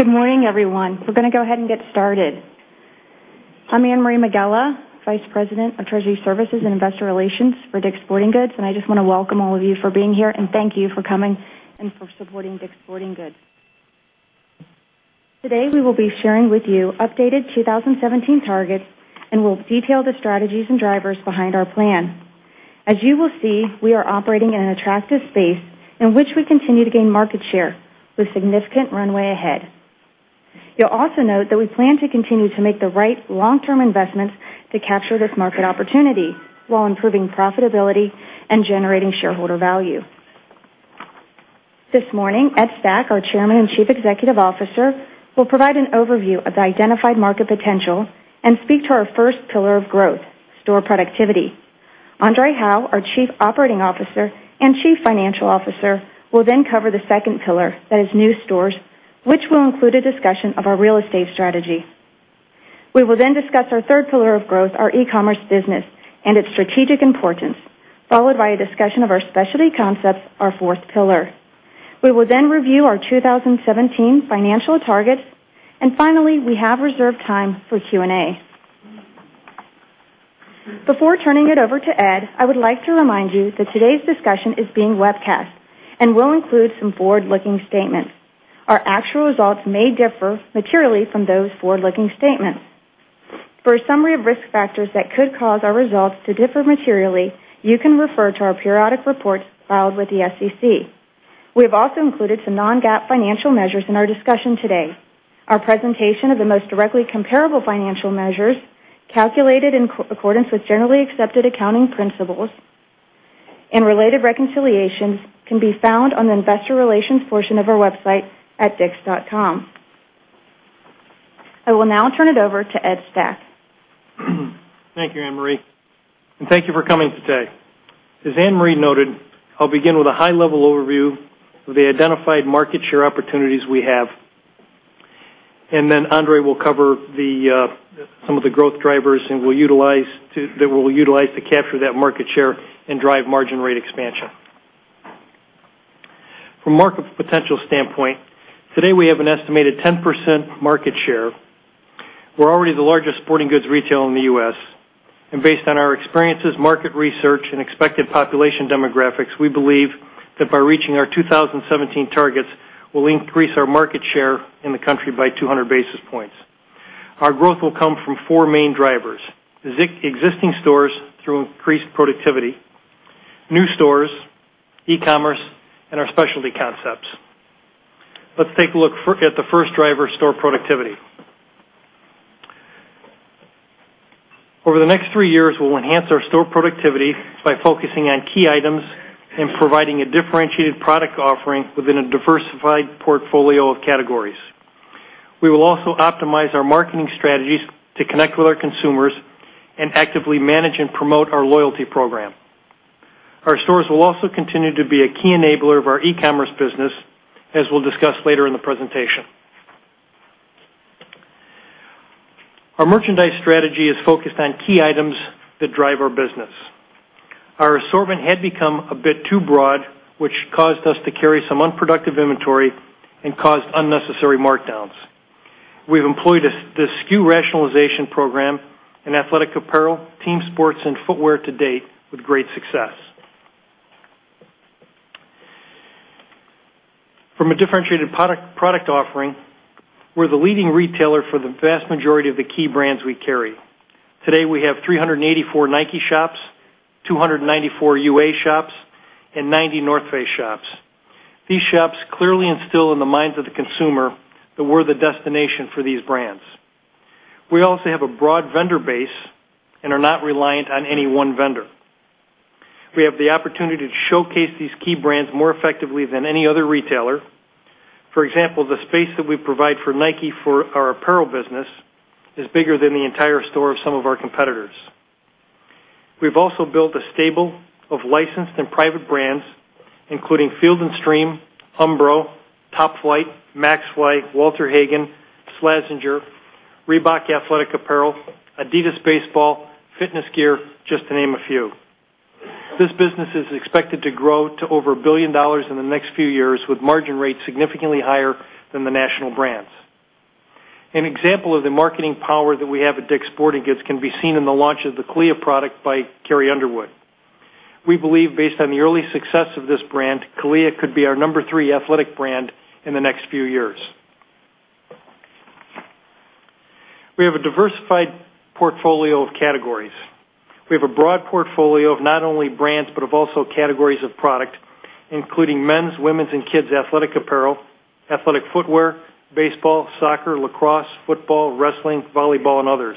Good morning, everyone. We're going to go ahead and get started. I'm Anne Marie McGlone, Vice President of Treasury Services and Investor Relations for DICK’S Sporting Goods, and I just want to welcome all of you for being here and thank you for coming and for supporting DICK’S Sporting Goods. Today, we will be sharing with you updated 2017 targets, and we'll detail the strategies and drivers behind our plan. As you will see, we are operating in an attractive space in which we continue to gain market share with significant runway ahead. You'll also note that we plan to continue to make the right long-term investments to capture this market opportunity while improving profitability and generating shareholder value. This morning, Ed Stack, our Chairman and Chief Executive Officer, will provide an overview of the identified market potential and speak to our first pillar of growth, store productivity. André Hawaux our Chief Operating Officer and Chief Financial Officer, will then cover the second pillar, that is new stores, which will include a discussion of our real estate strategy. We will then discuss our third pillar of growth, our e-commerce business, and its strategic importance, followed by a discussion of our specialty concepts, our fourth pillar. We will then review our 2017 financial targets, and finally, we have reserved time for Q&A. Before turning it over to Ed, I would like to remind you that today's discussion is being webcast and will include some forward-looking statements. Our actual results may differ materially from those forward-looking statements. For a summary of risk factors that could cause our results to differ materially, you can refer to our periodic reports filed with the SEC. We have also included some non-GAAP financial measures in our discussion today. Our presentation of the most directly comparable financial measures, calculated in accordance with generally accepted accounting principles, and related reconciliations can be found on the investor relations portion of our website at dicks.com. I will now turn it over to Ed Stack. Thank you, Anne Marie, and thank you for coming today. As Anne Marie noted, I'll begin with a high-level overview of the identified market share opportunities we have, and André will cover some of the growth drivers that we'll utilize to capture that market share and drive margin rate expansion. From a market potential standpoint, today we have an estimated 10% market share. We're already the largest sporting goods retailer in the U.S., and based on our experiences, market research, and expected population demographics, we believe that by reaching our 2017 targets, we'll increase our market share in the country by 200 basis points. Our growth will come from four main drivers. Existing stores through increased productivity, new stores, e-commerce, and our specialty concepts. Let's take a look at the first driver, store productivity. Over the next three years, we'll enhance our store productivity by focusing on key items and providing a differentiated product offering within a diversified portfolio of categories. We will also optimize our marketing strategies to connect with our consumers and actively manage and promote our loyalty program. Our stores will also continue to be a key enabler of our e-commerce business, as we'll discuss later in the presentation. Our merchandise strategy is focused on key items that drive our business. Our assortment had become a bit too broad, which caused us to carry some unproductive inventory and caused unnecessary markdowns. We've employed the SKU rationalization program in athletic apparel, team sports, and footwear to date with great success. From a differentiated product offering, we're the leading retailer for the vast majority of the key brands we carry. Today, we have 384 Nike shops, 294 UA shops, and 90 North Face shops. These shops clearly instill in the minds of the consumer that we're the destination for these brands. We also have a broad vendor base and are not reliant on any one vendor. We have the opportunity to showcase these key brands more effectively than any other retailer. For example, the space that we provide for Nike for our apparel business is bigger than the entire store of some of our competitors. We've also built a stable of licensed and private brands, including Field & Stream, Umbro, Top Flite, Maxfli, Walter Hagen, Slazenger, Reebok Athletic Apparel, Adidas Baseball, Fitness Gear, just to name a few. This business is expected to grow to over $1 billion in the next few years, with margin rates significantly higher than the national brands. An example of the marketing power that we have at DICK'S Sporting Goods can be seen in the launch of the CALIA product by Carrie Underwood. We believe based on the early success of this brand, CALIA could be our number 3 athletic brand in the next few years. We have a diversified portfolio of categories. We have a broad portfolio of not only brands but of also categories of product, including men's, women's, and kids' athletic apparel, athletic footwear, baseball, soccer, lacrosse, football, wrestling, volleyball, and others.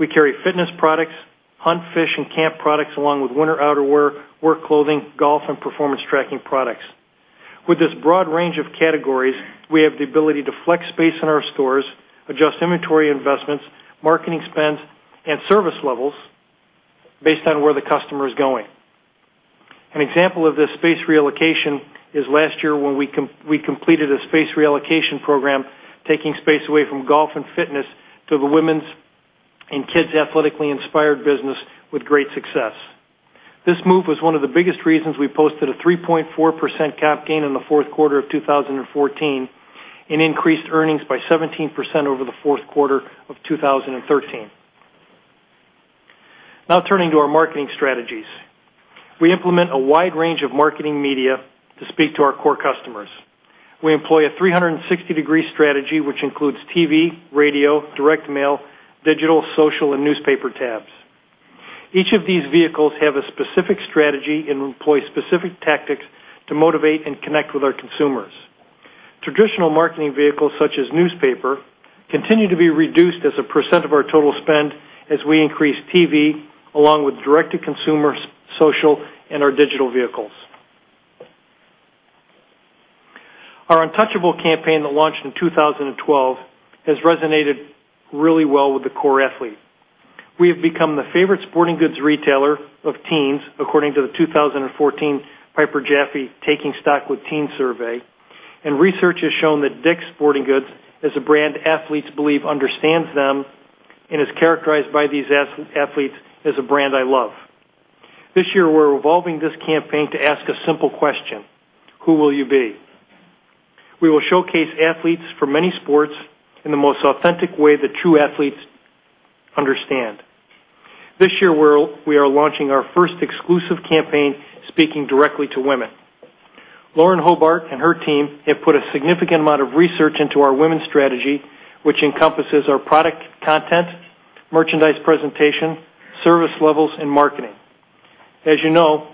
We carry fitness products, hunt, fish, and camp products, along with winter outerwear, work clothing, golf, and performance tracking products. With this broad range of categories, we have the ability to flex space in our stores, adjust inventory investments, marketing spends, and service levels based on where the customer is going. An example of this space reallocation is last year when we completed a space reallocation program taking space away from golf and fitness to the women's and kids athletically inspired business with great success. This move was one of the biggest reasons we posted a 3.4% comp gain in the fourth quarter of 2014 and increased earnings by 17% over the fourth quarter of 2013. Turning to our marketing strategies. We implement a wide range of marketing media to speak to our core customers. We employ a 360-degree strategy, which includes TV, radio, direct mail, digital, social, and newspaper tabs. Each of these vehicles have a specific strategy and employ specific tactics to motivate and connect with our consumers. Traditional marketing vehicles, such as newspaper, continue to be reduced as a % of our total spend as we increase TV, along with direct-to-consumer, social, and our digital vehicles. Our Untouchable campaign that launched in 2012 has resonated really well with the core athlete. We have become the favorite sporting goods retailer of teens according to the 2014 Piper Jaffray Taking Stock with Teens survey. Research has shown that DICK'S Sporting Goods is a brand athletes believe understands them and is characterized by these athletes as a brand I love. This year, we're evolving this campaign to ask a simple question: who will you be? We will showcase athletes from many sports in the most authentic way that true athletes understand. This year, we are launching our first exclusive campaign, speaking directly to women. Lauren Hobart and her team have put a significant amount of research into our women's strategy, which encompasses our product content, merchandise presentation, service levels, and marketing. As you know,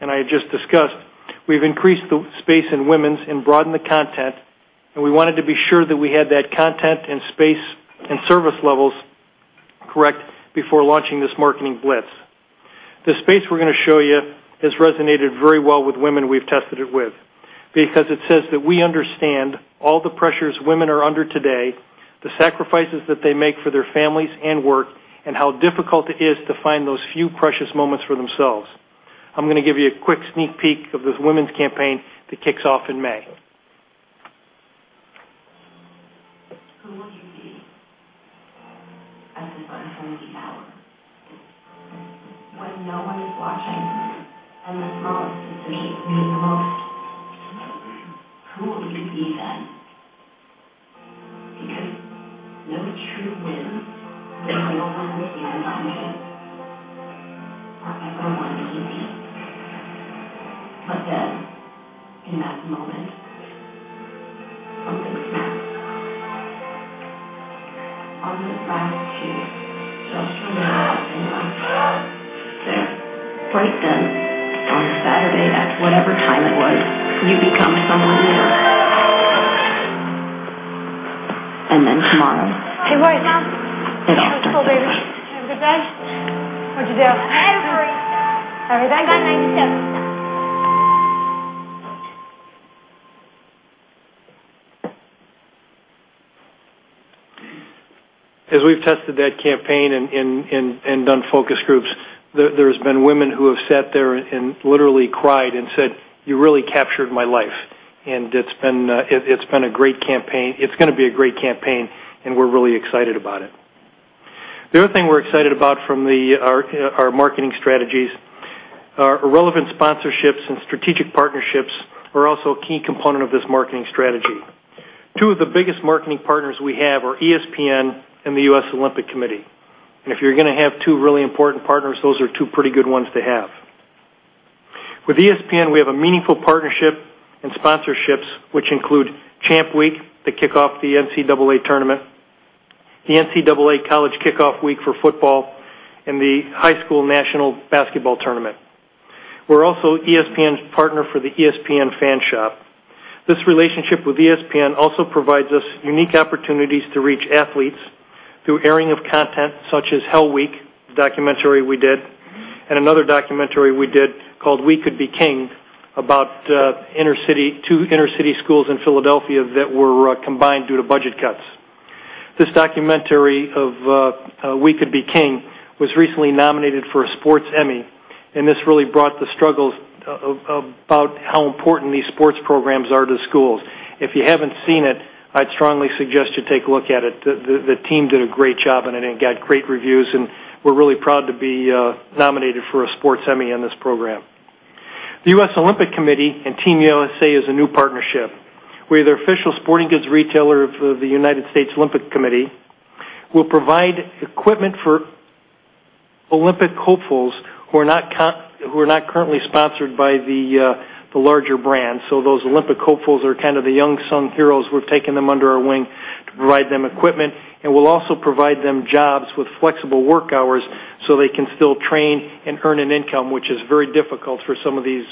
and I just discussed, we've increased the space in women's and broadened the content, and we wanted to be sure that we had that content and space and service levels correct before launching this marketing blitz. The space we're going to show you has resonated very well with women we've tested it with because it says that we understand all the pressures women are under today, the sacrifices that they make for their families and work, and how difficult it is to find those few precious moments for themselves. I'm going to give you a quick sneak peek of this women's campaign that kicks off in May. Who will you be at the un-funny hour? When no one is watching and the promise of the day means the most, who will you be then? No true win goes unnoticed in the mind of an echo on repeat. In that moment, something snaps. On this last shoot, just a little thing left. There, right then, on a Saturday at whatever time it was, you become someone new. Tomorrow. Hey, Lauren. It all starts again. Let's go, baby. Time to go to bed. What'd you get? I had a great shot. All right. I got 97. As we've tested that campaign and done focus groups, there's been women who have sat there and literally cried and said, "You really captured my life." It's going to be a great campaign, and we're really excited about it. The other thing we're excited about from our marketing strategies are relevant sponsorships and strategic partnerships are also a key component of this marketing strategy. Two of the biggest marketing partners we have are ESPN and the U.S. Olympic Committee. If you're going to have two really important partners, those are two pretty good ones to have. With ESPN, we have a meaningful partnership and sponsorships, which include Champ Week, the kickoff the NCAA tournament, the NCAA College Kickoff Week for football, and the High School National Basketball Tournament. We're also ESPN's partner for the ESPN Fan Shop. This relationship with ESPN also provides us unique opportunities to reach athletes through airing of content such as "Hell Week," the documentary we did, and another documentary we did called "We Could Be King" about two inner city schools in Philadelphia that were combined due to budget cuts. This documentary of "We Could Be King" was recently nominated for a Sports Emmy, and this really brought the struggles about how important these sports programs are to schools. If you haven't seen it, I'd strongly suggest you take a look at it. The team did a great job on it, and it got great reviews, and we're really proud to be nominated for a Sports Emmy on this program. The U.S. Olympic Committee and Team USA is a new partnership. We're the official sporting goods retailer of the United States Olympic Committee. We'll provide equipment for Olympic hopefuls who are not currently sponsored by the larger brands. Those Olympic hopefuls are kind of the young sung heroes, we're taking them under our wing to provide them equipment, and we'll also provide them jobs with flexible work hours so they can still train and earn an income, which is very difficult for some of these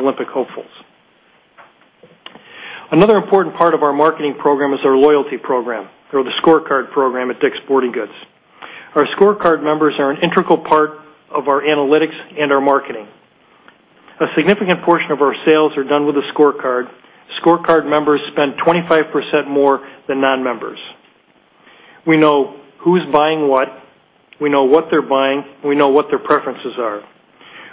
Olympic hopefuls. Another important part of our marketing program is our loyalty program, or the scorecard program at DICK'S Sporting Goods. Our scorecard members are an integral part of our analytics and our marketing. A significant portion of our sales are done with a scorecard. Scorecard members spend 25% more than non-members. We know who's buying what, we know what they're buying, we know what their preferences are.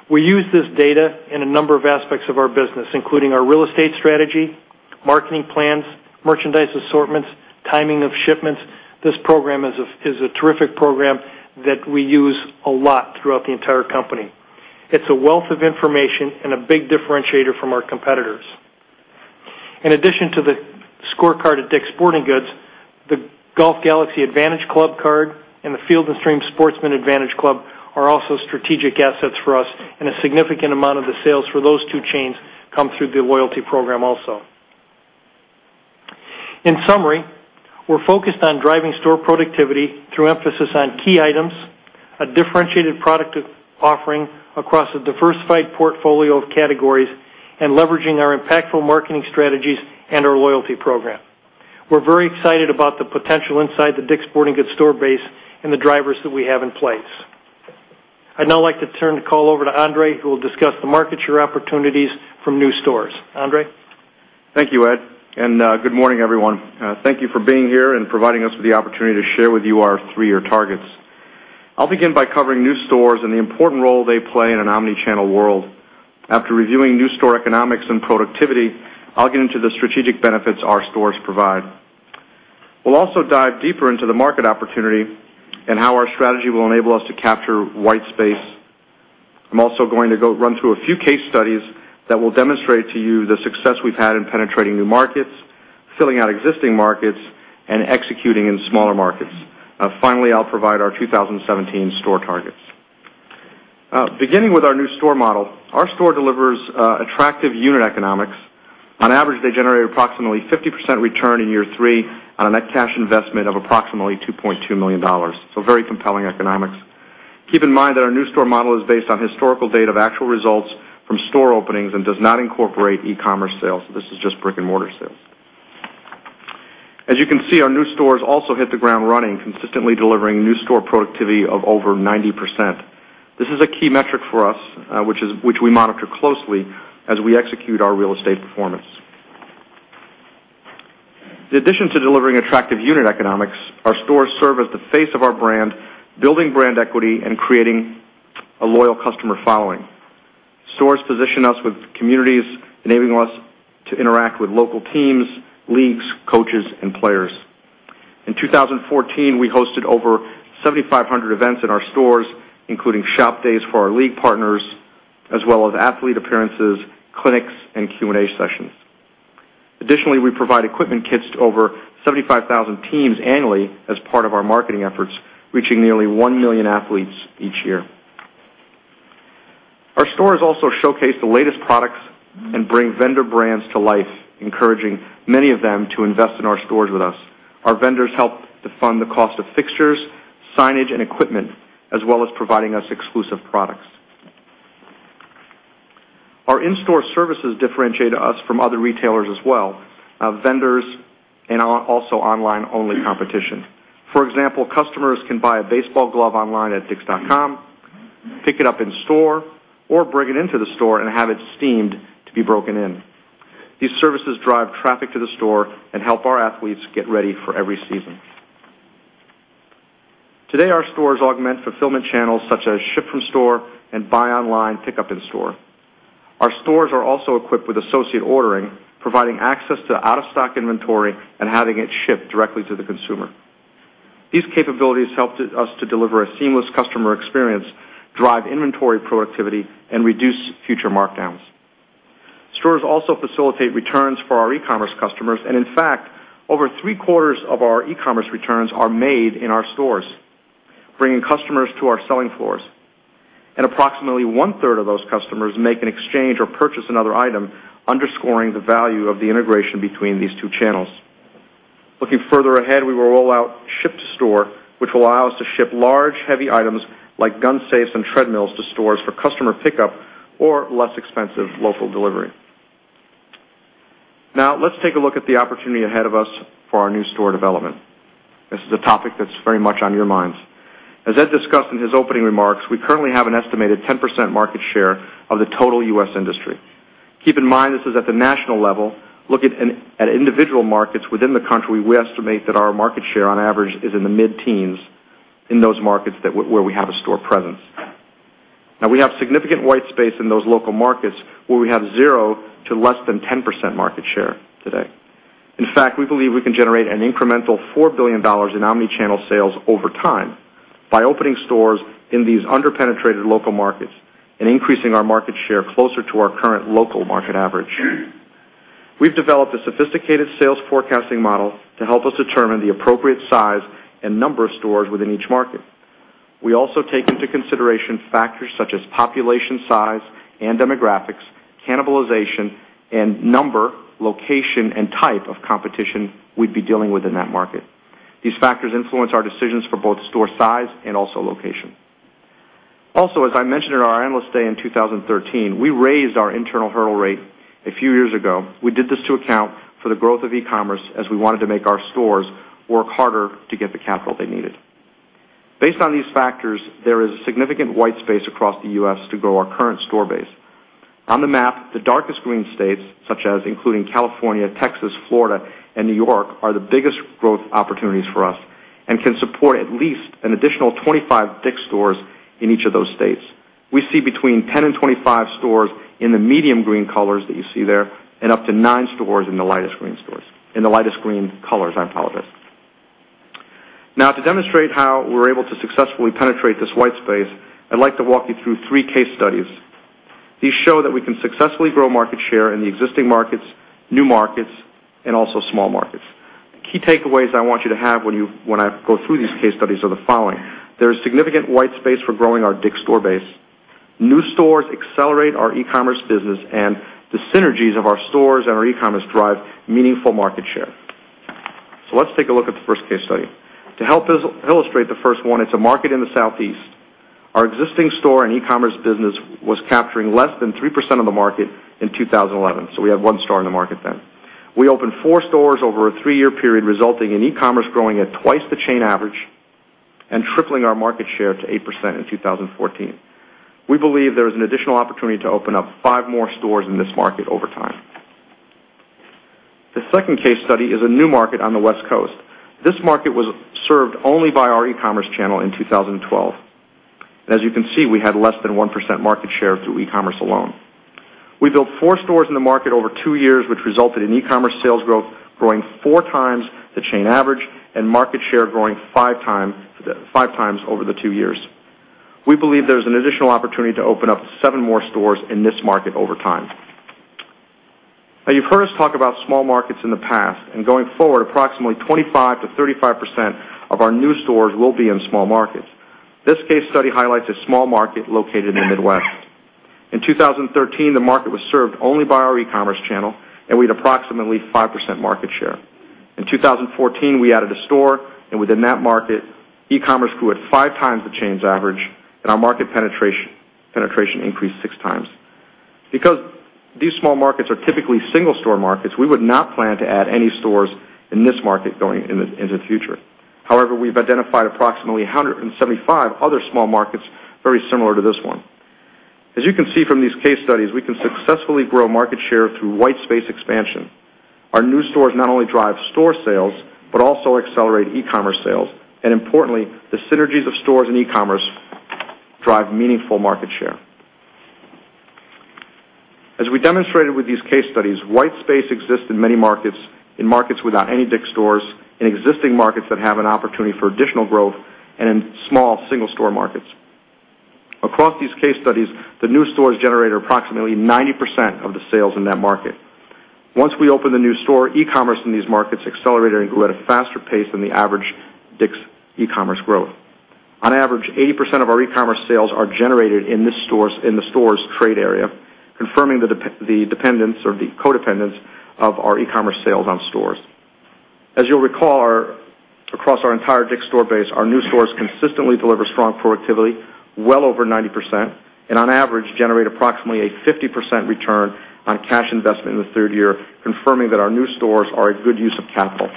We use this data in a number of aspects of our business, including our real estate strategy Marketing plans, merchandise assortments, timing of shipments. This program is a terrific program that we use a lot throughout the entire company. It's a wealth of information and a big differentiator from our competitors. In addition to the scorecard at DICK'S Sporting Goods, the Golf Galaxy Advantage Club card and the Field & Stream Sportsman Advantage Club are also strategic assets for us, and a significant amount of the sales for those two chains come through the loyalty program also. In summary, we're focused on driving store productivity through emphasis on key items, a differentiated product offering across a diversified portfolio of categories, and leveraging our impactful marketing strategies and our loyalty program. We're very excited about the potential inside the DICK'S Sporting Goods store base and the drivers that we have in place. I'd now like to turn the call over to André, who will discuss the market share opportunities from new stores. André? Thank you, Ed, and good morning, everyone. Thank you for being here and providing us with the opportunity to share with you our three-year targets. I'll begin by covering new stores and the important role they play in an omnichannel world. After reviewing new store economics and productivity, I'll get into the strategic benefits our stores provide. We'll also dive deeper into the market opportunity and how our strategy will enable us to capture white space. I'm also going to run through a few case studies that will demonstrate to you the success we've had in penetrating new markets, filling out existing markets, and executing in smaller markets. Finally, I'll provide our 2017 store targets. Beginning with our new store model, our store delivers attractive unit economics. On average, they generate approximately 50% return in year three on a net cash investment of approximately $2.2 million. Very compelling economics. Keep in mind that our new store model is based on historical data of actual results from store openings and does not incorporate e-commerce sales. This is just brick-and-mortar sales. As you can see, our new stores also hit the ground running, consistently delivering new store productivity of over 90%. This is a key metric for us, which we monitor closely as we execute our real estate performance. In addition to delivering attractive unit economics, our stores serve as the face of our brand, building brand equity and creating a loyal customer following. Stores position us with communities, enabling us to interact with local teams, leagues, coaches, and players. In 2014, we hosted over 7,500 events in our stores, including shop days for our league partners, as well as athlete appearances, clinics, and Q&A sessions. Additionally, we provide equipment kits to over 75,000 teams annually as part of our marketing efforts, reaching nearly 1 million athletes each year. Our stores also showcase the latest products and bring vendor brands to life, encouraging many of them to invest in our stores with us. Our vendors help to fund the cost of fixtures, signage, and equipment, as well as providing us exclusive products. Our in-store services differentiate us from other retailers as well, vendors and also online-only competition. For example, customers can buy a baseball glove online at dicks.com, pick it up in-store, or bring it into the store and have it steamed to be broken in. These services drive traffic to the store and help our athletes get ready for every season. Today, our stores augment fulfillment channels such as ship from store and buy online, pickup in store. Our stores are also equipped with associate ordering, providing access to out-of-stock inventory and having it shipped directly to the consumer. These capabilities help us to deliver a seamless customer experience, drive inventory productivity, and reduce future markdowns. Stores also facilitate returns for our e-commerce customers, in fact, over three-quarters of our e-commerce returns are made in our stores, bringing customers to our selling floors. Approximately one-third of those customers make an exchange or purchase another item, underscoring the value of the integration between these two channels. Looking further ahead, we will roll out ship to store, which will allow us to ship large, heavy items like gun safes and treadmills to stores for customer pickup or less expensive local delivery. Let's take a look at the opportunity ahead of us for our new store development. This is a topic that's very much on your minds. As Ed discussed in his opening remarks, we currently have an estimated 10% market share of the total U.S. industry. Keep in mind, this is at the national level. Looking at individual markets within the country, we estimate that our market share on average is in the mid-teens in those markets where we have a store presence. Now, we have significant white space in those local markets where we have zero to less than 10% market share today. In fact, we believe we can generate an incremental $4 billion in omnichannel sales over time by opening stores in these under-penetrated local markets and increasing our market share closer to our current local market average. We've developed a sophisticated sales forecasting model to help us determine the appropriate size and number of stores within each market. We also take into consideration factors such as population size and demographics, cannibalization, and number, location, and type of competition we'd be dealing with in that market. These factors influence our decisions for both store size and also location. Also, as I mentioned at our Analyst Day in 2013, we raised our internal hurdle rate a few years ago. We did this to account for the growth of e-commerce, as we wanted to make our stores work harder to get the capital they needed. Based on these factors, there is significant white space across the U.S. to grow our current store base. On the map, the darkest green states, such as including California, Texas, Florida, and New York, are the biggest growth opportunities for us and can support at least an additional 25 DICK'S stores in each of those states. We see between 10 and 25 stores in the medium green colors that you see there, and up to nine stores in the lightest green stores. In the lightest green colors, I apologize. Now to demonstrate how we're able to successfully penetrate this white space, I'd like to walk you through three case studies. These show that we can successfully grow market share in the existing markets, new markets, and also small markets. Key takeaways I want you to have when I go through these case studies are the following. There's significant white space for growing our DICK'S store base. New stores accelerate our e-commerce business and the synergies of our stores and our e-commerce drive meaningful market share. Let's take a look at the first case study. To help illustrate the first one, it's a market in the Southeast. Our existing store and e-commerce business was capturing less than 3% of the market in 2011. We had one store in the market then. We opened four stores over a three-year period, resulting in e-commerce growing at twice the chain average and tripling our market share to 8% in 2014. We believe there is an additional opportunity to open up five more stores in this market over time. The second case study is a new market on the West Coast. This market was served only by our e-commerce channel in 2012. As you can see, we had less than 1% market share through e-commerce alone. We built four stores in the market over two years, which resulted in e-commerce sales growth growing four times the chain average and market share growing five times over the two years. We believe there's an additional opportunity to open up seven more stores in this market over time. You've heard us talk about small markets in the past, going forward, approximately 25%-35% of our new stores will be in small markets. This case study highlights a small market located in the Midwest. In 2013, the market was served only by our e-commerce channel, and we had approximately 5% market share. In 2014, we added a store, and within that market, e-commerce grew at five times the chain's average and our market penetration increased six times. Because these small markets are typically single store markets, we would not plan to add any stores in this market going into the future. We've identified approximately 175 other small markets very similar to this one. As you can see from these case studies, we can successfully grow market share through white space expansion. Our new stores not only drive store sales, but also accelerate e-commerce sales, and importantly, the synergies of stores and e-commerce drive meaningful market share. As we demonstrated with these case studies, white space exists in many markets, in markets without any DICK'S stores, in existing markets that have an opportunity for additional growth, and in small single store markets. Across these case studies, the new stores generated approximately 90% of the sales in that market. Once we opened a new store, e-commerce in these markets accelerated and grew at a faster pace than the average DICK'S e-commerce growth. On average, 80% of our e-commerce sales are generated in the store's trade area, confirming the dependence or the codependence of our e-commerce sales on stores. As you'll recall, across our entire DICK'S store base, our new stores consistently deliver strong productivity well over 90%, and on average, generate approximately a 50% return on cash investment in the third year, confirming that our new stores are a good use of capital.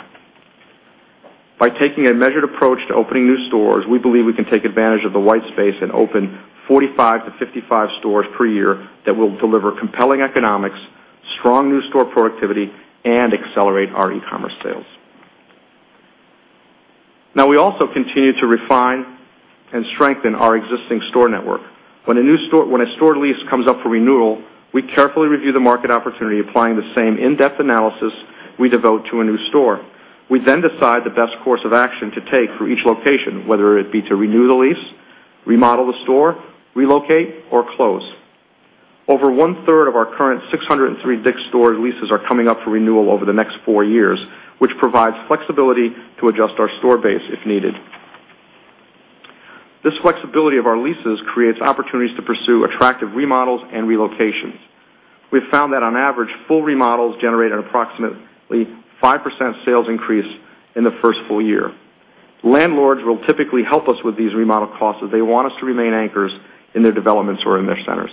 By taking a measured approach to opening new stores, we believe we can take advantage of the white space and open 45-55 stores per year that will deliver compelling economics, strong new store productivity, and accelerate our e-commerce sales. We also continue to refine and strengthen our existing store network. When a store lease comes up for renewal, we carefully review the market opportunity, applying the same in-depth analysis we devote to a new store. We decide the best course of action to take for each location, whether it be to renew the lease, remodel the store, relocate, or close. Over one-third of our current 603 DICK'S store leases are coming up for renewal over the next four years, which provides flexibility to adjust our store base if needed. This flexibility of our leases creates opportunities to pursue attractive remodels and relocations. We've found that on average, full remodels generate approximately 5% sales increase in the first full year. Landlords will typically help us with these remodel costs as they want us to remain anchors in their developments or in their centers.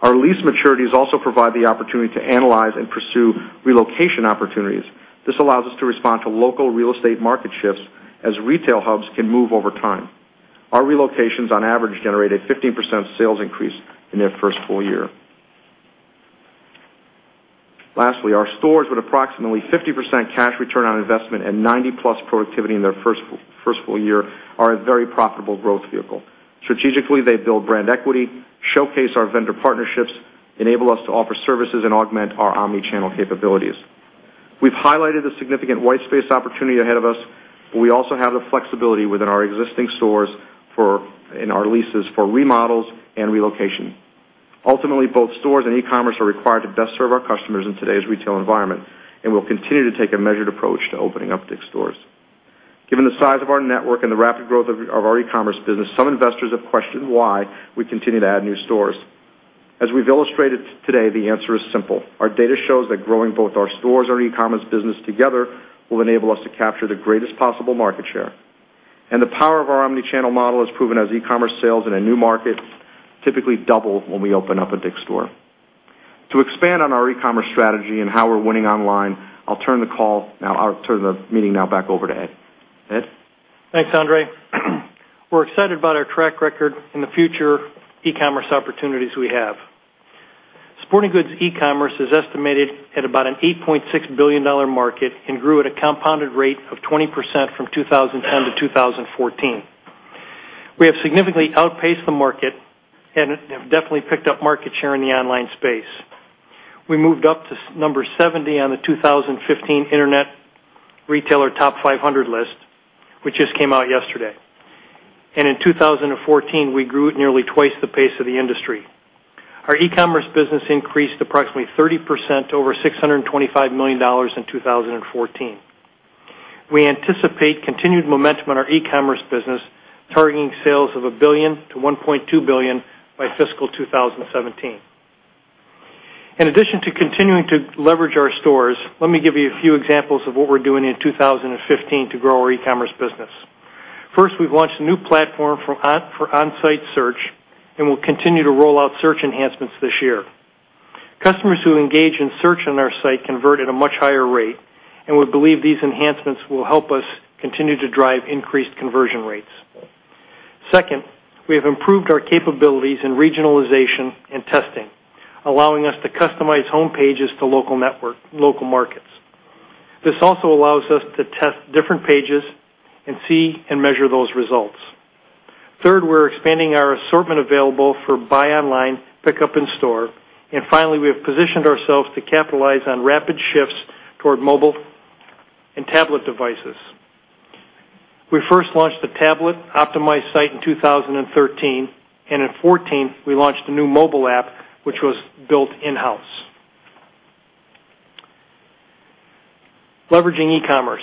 Our lease maturities also provide the opportunity to analyze and pursue relocation opportunities. This allows us to respond to local real estate market shifts as retail hubs can move over time. Our relocations, on average, generated 15% sales increase in their first full year. Lastly, our stores, with approximately 50% cash return on investment and 90-plus productivity in their first full year, are a very profitable growth vehicle. Strategically, they build brand equity, showcase our vendor partnerships, enable us to offer services, and augment our omnichannel capabilities. We've highlighted the significant white space opportunity ahead of us, but we also have the flexibility within our existing stores in our leases for remodels and relocation. Ultimately, both stores and e-commerce are required to best serve our customers in today's retail environment, and we'll continue to take a measured approach to opening up DICK'S stores. Given the size of our network and the rapid growth of our e-commerce business, some investors have questioned why we continue to add new stores. As we've illustrated today, the answer is simple. Our data shows that growing both our stores and our e-commerce business together will enable us to capture the greatest possible market share. The power of our omnichannel model is proven as e-commerce sales in a new market typically double when we open up a DICK'S store. To expand on our e-commerce strategy and how we're winning online, I'll turn the meeting now back over to Ed. Ed? Thanks, Andre. We're excited about our track record and the future e-commerce opportunities we have. Sporting goods e-commerce is estimated at about an $8.6 billion market and grew at a compounded rate of 20% from 2010 to 2014. We have significantly outpaced the market and have definitely picked up market share in the online space. We moved up to number 70 on the 2015 Internet Retailer Top 500 list, which just came out yesterday. In 2014, we grew at nearly twice the pace of the industry. Our e-commerce business increased approximately 30% to over $625 million in 2014. We anticipate continued momentum on our e-commerce business, targeting sales of $1 billion to $1.2 billion by fiscal 2017. In addition to continuing to leverage our stores, let me give you a few examples of what we're doing in 2015 to grow our e-commerce business. First, we've launched a new platform for on-site search, and we'll continue to roll out search enhancements this year. Customers who engage in search on our site convert at a much higher rate, and we believe these enhancements will help us continue to drive increased conversion rates. Third, we're expanding our assortment available for buy online, pickup in store. Finally, we have positioned ourselves to capitalize on rapid shifts toward mobile and tablet devices. We first launched the tablet-optimized site in 2013, and in 2014, we launched a new mobile app, which was built in-house. Leveraging e-commerce.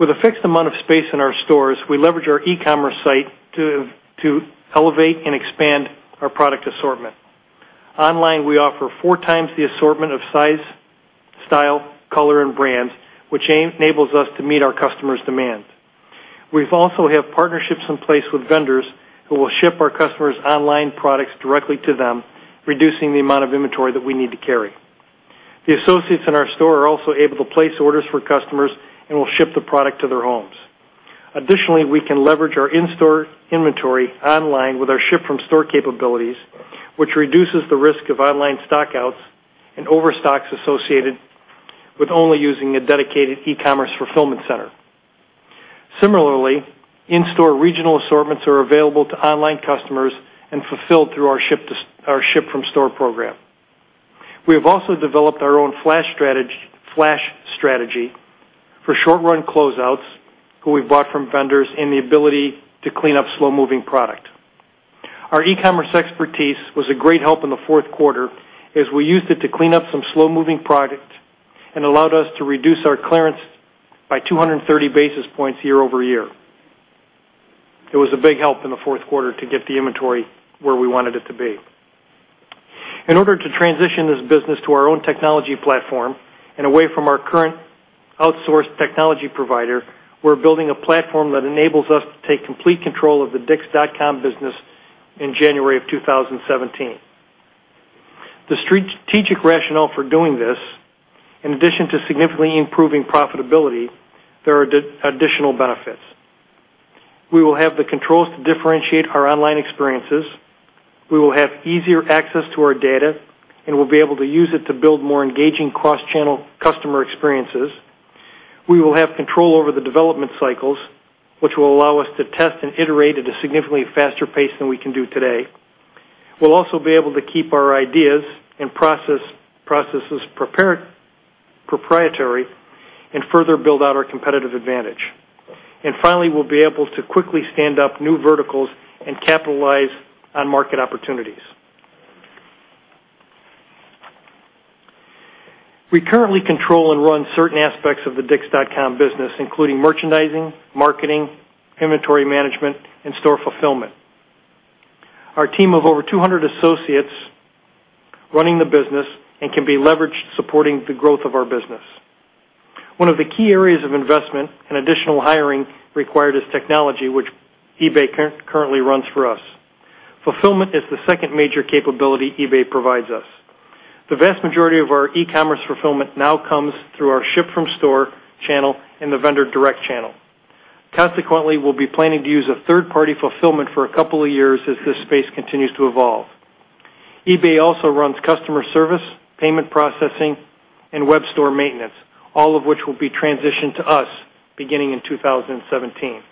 With a fixed amount of space in our stores, we leverage our e-commerce site to elevate and expand our product assortment. Online, we offer four times the assortment of size, style, color, and brands, which enables us to meet our customers' demands. We also have partnerships in place with vendors who will ship our customers' online products directly to them, reducing the amount of inventory that we need to carry. The associates in our store are also able to place orders for customers and will ship the product to their homes. Additionally, we can leverage our in-store inventory online with our ship-from-store capabilities, which reduces the risk of online stock-outs and overstocks associated with only using a dedicated e-commerce fulfillment center. Similarly, in-store regional assortments are available to online customers and fulfilled through our ship-from-store program. We have also developed our own flash strategy for short-run closeouts, who we bought from vendors, and the ability to clean up slow-moving product. Our e-commerce expertise was a great help in the fourth quarter, as we used it to clean up some slow-moving product and allowed us to reduce our clearance by 230 basis points year-over-year. It was a big help in the fourth quarter to get the inventory where we wanted it to be. In order to transition this business to our own technology platform and away from our current outsourced technology provider, we're building a platform that enables us to take complete control of the dicks.com business in January of 2017. The strategic rationale for doing this, in addition to significantly improving profitability, there are additional benefits. We will have the controls to differentiate our online experiences. We will have easier access to our data, and we'll be able to use it to build more engaging cross-channel customer experiences. We will have control over the development cycles, which will allow us to test and iterate at a significantly faster pace than we can do today. We'll also be able to keep our ideas and processes proprietary and further build out our competitive advantage. Finally, we'll be able to quickly stand up new verticals and capitalize on market opportunities. We currently control and run certain aspects of the dicks.com business, including merchandising, marketing, inventory management, and store fulfillment. Our team of over 200 associates running the business and can be leveraged supporting the growth of our business. One of the key areas of investment and additional hiring required is technology, which eBay currently runs for us. Fulfillment is the second major capability eBay provides us. The vast majority of our e-commerce fulfillment now comes through our ship-from-store channel and the vendor direct channel. Consequently, we'll be planning to use a third-party fulfillment for a couple of years as this space continues to evolve. eBay also runs customer service, payment processing, and web store maintenance, all of which will be transitioned to us beginning in 2017.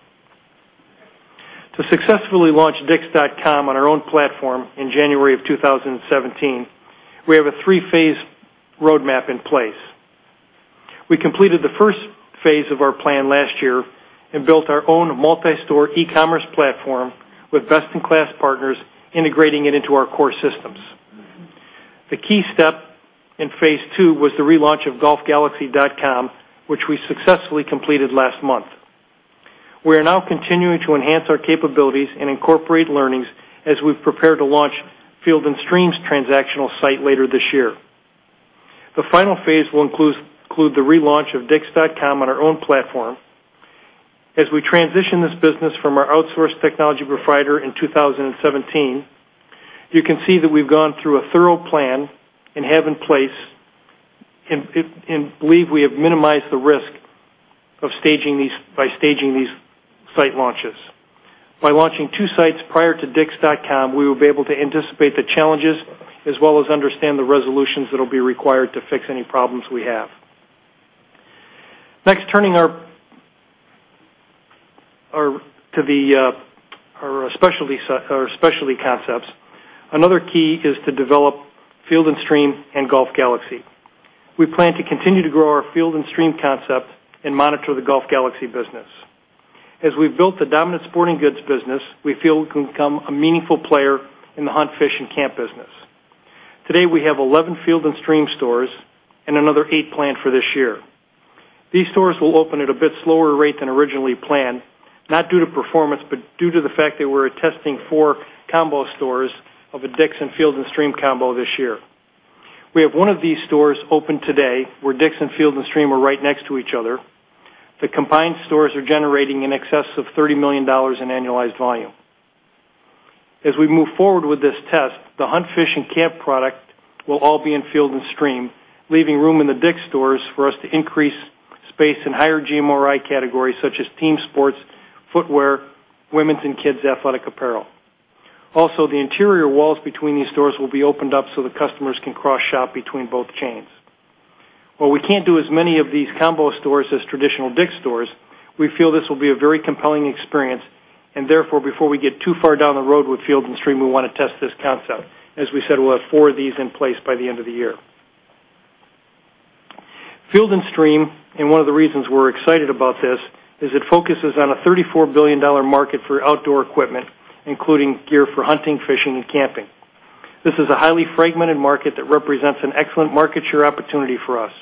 To successfully launch dicks.com on our own platform in January of 2017, we have a three-phase roadmap in place. We completed the first phase of our plan last year and built our own multi-store e-commerce platform with best-in-class partners integrating it into our core systems. The key step in phase 2 was the relaunch of golfgalaxy.com, which we successfully completed last month. We are now continuing to enhance our capabilities and incorporate learnings as we prepare to launch Field & Stream's transactional site later this year. The final phase will include the relaunch of dicks.com on our own platform. As we transition this business from our outsourced technology provider in 2017, you can see that we've gone through a thorough plan and have in place. We believe we have minimized the risk by staging these site launches. By launching two sites prior to dicks.com, we will be able to anticipate the challenges as well as understand the resolutions that will be required to fix any problems we have. Next, turning to our specialty concepts. Another key is to develop Field & Stream and Golf Galaxy. We plan to continue to grow our Field & Stream concept and monitor the Golf Galaxy business. As we've built the dominant sporting goods business, we feel we can become a meaningful player in the hunt, fish, and camp business. Today, we have 11 Field & Stream stores and another eight planned for this year. These stores will open at a bit slower rate than originally planned, not due to performance, but due to the fact that we're testing four combo stores of a DICK'S and Field & Stream combo this year. We have one of these stores open today, where DICK'S and Field & Stream are right next to each other. The combined stores are generating in excess of $30 million in annualized volume. As we move forward with this test, the hunt, fish, and camp product will all be in Field & Stream, leaving room in the DICK'S stores for us to increase space in higher GMRI categories such as team sports, footwear, women's and kids' athletic apparel. The interior walls between these stores will be opened up so the customers can cross-shop between both chains. While we can't do as many of these combo stores as traditional DICK'S stores, we feel this will be a very compelling experience and therefore, before we get too far down the road with Field & Stream, we want to test this concept. As we said, we'll have four of these in place by the end of the year. Field & Stream. One of the reasons we're excited about this, is it focuses on a $34 billion market for outdoor equipment, including gear for hunting, fishing, and camping. This is a highly fragmented market that represents an excellent market share opportunity for us.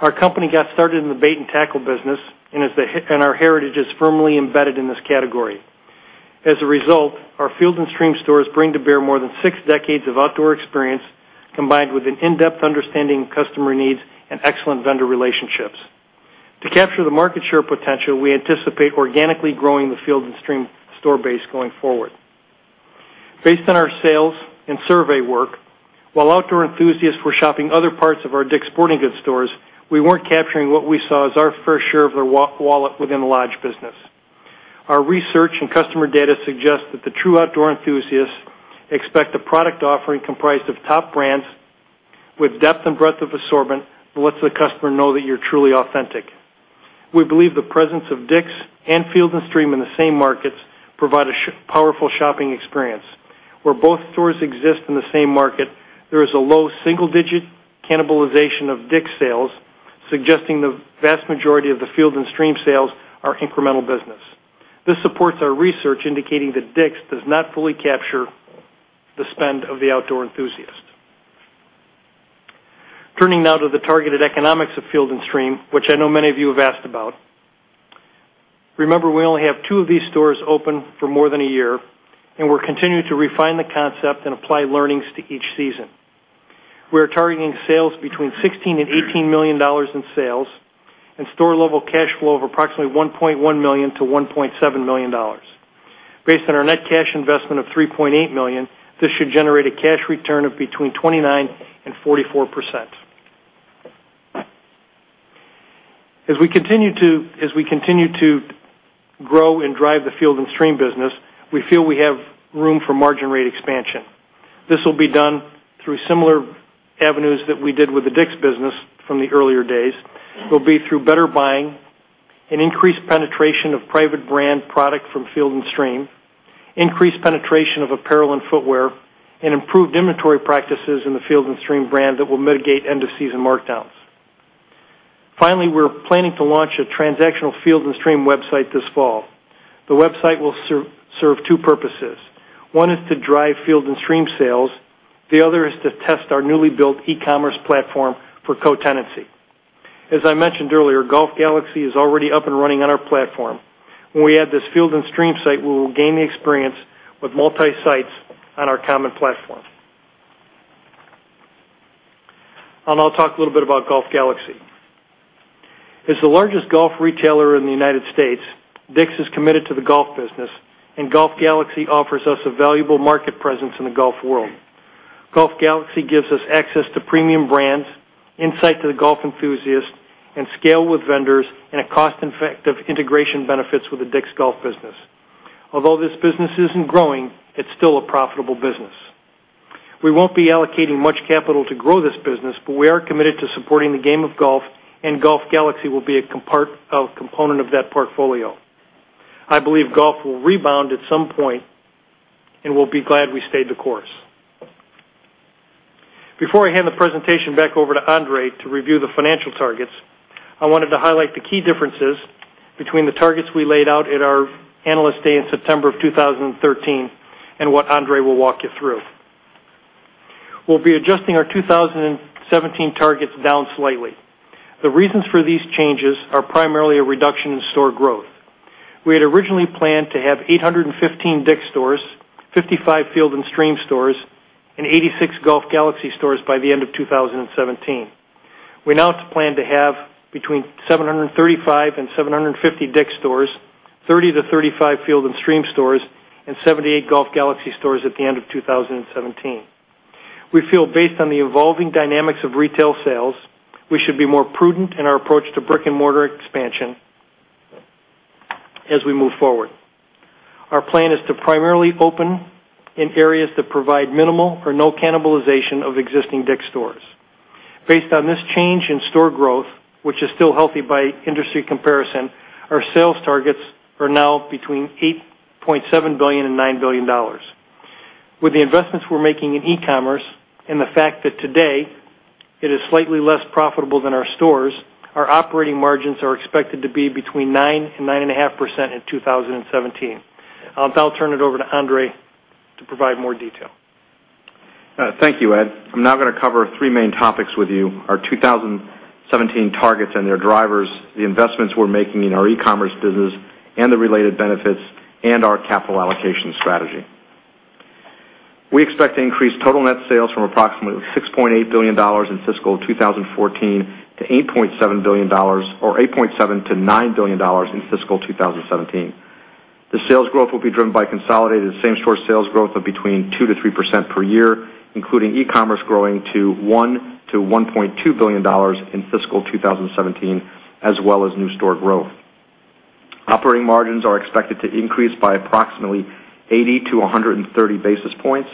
Our company got started in the bait and tackle business, and our heritage is firmly embedded in this category. As a result, our Field & Stream stores bring to bear more than six decades of outdoor experience, combined with an in-depth understanding of customer needs and excellent vendor relationships. To capture the market share potential, we anticipate organically growing the Field & Stream store base going forward. Based on our sales and survey work, while outdoor enthusiasts were shopping other parts of our DICK'S Sporting Goods stores, we weren't capturing what we saw as our fair share of their wallet within the lodge business. Our research and customer data suggests that the true outdoor enthusiasts expect a product offering comprised of top brands with depth and breadth of assortment that lets the customer know that you're truly authentic. We believe the presence of DICK'S and Field & Stream in the same markets provide a powerful shopping experience. Where both stores exist in the same market, there is a low single-digit cannibalization of DICK'S sales, suggesting the vast majority of the Field & Stream sales are incremental business. This supports our research indicating that DICK'S does not fully capture the spend of the outdoor enthusiast. Turning now to the targeted economics of Field & Stream, which I know many of you have asked about. Remember, we only have two of these stores open for more than a year, and we're continuing to refine the concept and apply learnings to each season. We are targeting sales between $16 million and $18 million in sales and store-level cash flow of approximately $1.1 million to $1.7 million. Based on our net cash investment of $3.8 million, this should generate a cash return of between 29% and 44%. As we continue to grow and drive the Field & Stream business, we feel we have room for margin rate expansion. This will be done through similar avenues that we did with the DICK'S business from the earlier days. It will be through better buying and increased penetration of private brand product from Field & Stream, increased penetration of apparel and footwear, and improved inventory practices in the Field & Stream brand that will mitigate end-of-season markdowns. We're planning to launch a transactional Field & Stream website this fall. The website will serve two purposes. One is to drive Field & Stream sales. The other is to test our newly built e-commerce platform for co-tenancy. As I mentioned earlier, Golf Galaxy is already up and running on our platform. When we add this Field & Stream site, we will gain the experience with multi-sites on our common platform. I'll talk a little bit about Golf Galaxy. As the largest golf retailer in the U.S., DICK'S is committed to the golf business, and Golf Galaxy offers us a valuable market presence in the golf world. Golf Galaxy gives us access to premium brands, insight to the golf enthusiast, and scale with vendors, and a cost-effective integration benefits with the DICK'S Golf business. Although this business isn't growing, it's still a profitable business. We won't be allocating much capital to grow this business, but we are committed to supporting the game of golf, and Golf Galaxy will be a component of that portfolio. I believe golf will rebound at some point, and we'll be glad we stayed the course. Before I hand the presentation back over to André to review the financial targets, I wanted to highlight the key differences between the targets we laid out at our Analyst Day in September of 2013 and what André will walk you through. We'll be adjusting our 2017 targets down slightly. The reasons for these changes are primarily a reduction in store growth. We had originally planned to have 815 DICK'S stores, 55 Field & Stream stores, and 86 Golf Galaxy stores by the end of 2017. We now plan to have between 735 and 750 DICK'S stores, 30 to 35 Field & Stream stores, 78 Golf Galaxy stores at the end of 2017. We feel based on the evolving dynamics of retail sales, we should be more prudent in our approach to brick-and-mortar expansion as we move forward. Our plan is to primarily open in areas that provide minimal or no cannibalization of existing DICK'S stores. Based on this change in store growth, which is still healthy by industry comparison, our sales targets are now between $8.7 billion and $9 billion. With the investments we're making in e-commerce and the fact that today it is slightly less profitable than our stores, our operating margins are expected to be between 9% and 9.5% in 2017. I'll now turn it over to André to provide more detail. Thank you, Ed. I'm now going to cover three main topics with you, our 2017 targets and their drivers, the investments we're making in our e-commerce business and the related benefits, and our capital allocation strategy. We expect to increase total net sales from approximately $6.8 billion in fiscal 2014 to $8.7 billion or $8.7 billion to $9 billion in fiscal 2017. The sales growth will be driven by consolidated same-store sales growth of between 2%-3% per year, including e-commerce growing to $1 billion to $1.2 billion in fiscal 2017, as well as new store growth. Operating margins are expected to increase by approximately 80 to 130 basis points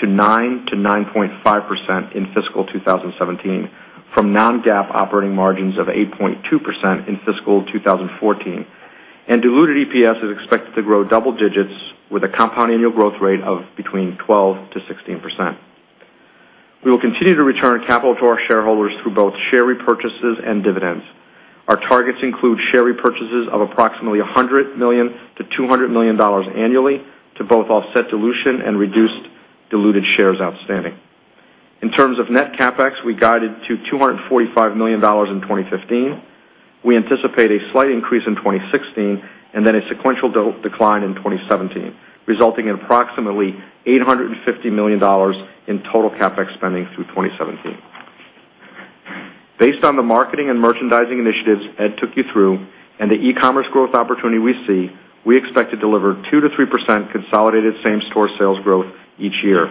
to 9% to 9.5% in fiscal 2017 from non-GAAP operating margins of 8.2% in fiscal 2014. Diluted EPS is expected to grow double digits with a compound annual growth rate of between 12%-16%. We will continue to return capital to our shareholders through both share repurchases and dividends. Our targets include share repurchases of approximately $100 million to $200 million annually to both offset dilution and reduce diluted shares outstanding. In terms of net CapEx, we guided to $245 million in 2015. We anticipate a slight increase in 2016 and then a sequential decline in 2017, resulting in approximately $850 million in total CapEx spending through 2017. Based on the marketing and merchandising initiatives Ed took you through and the e-commerce growth opportunity we see, we expect to deliver 2%-3% consolidated same-store sales growth each year.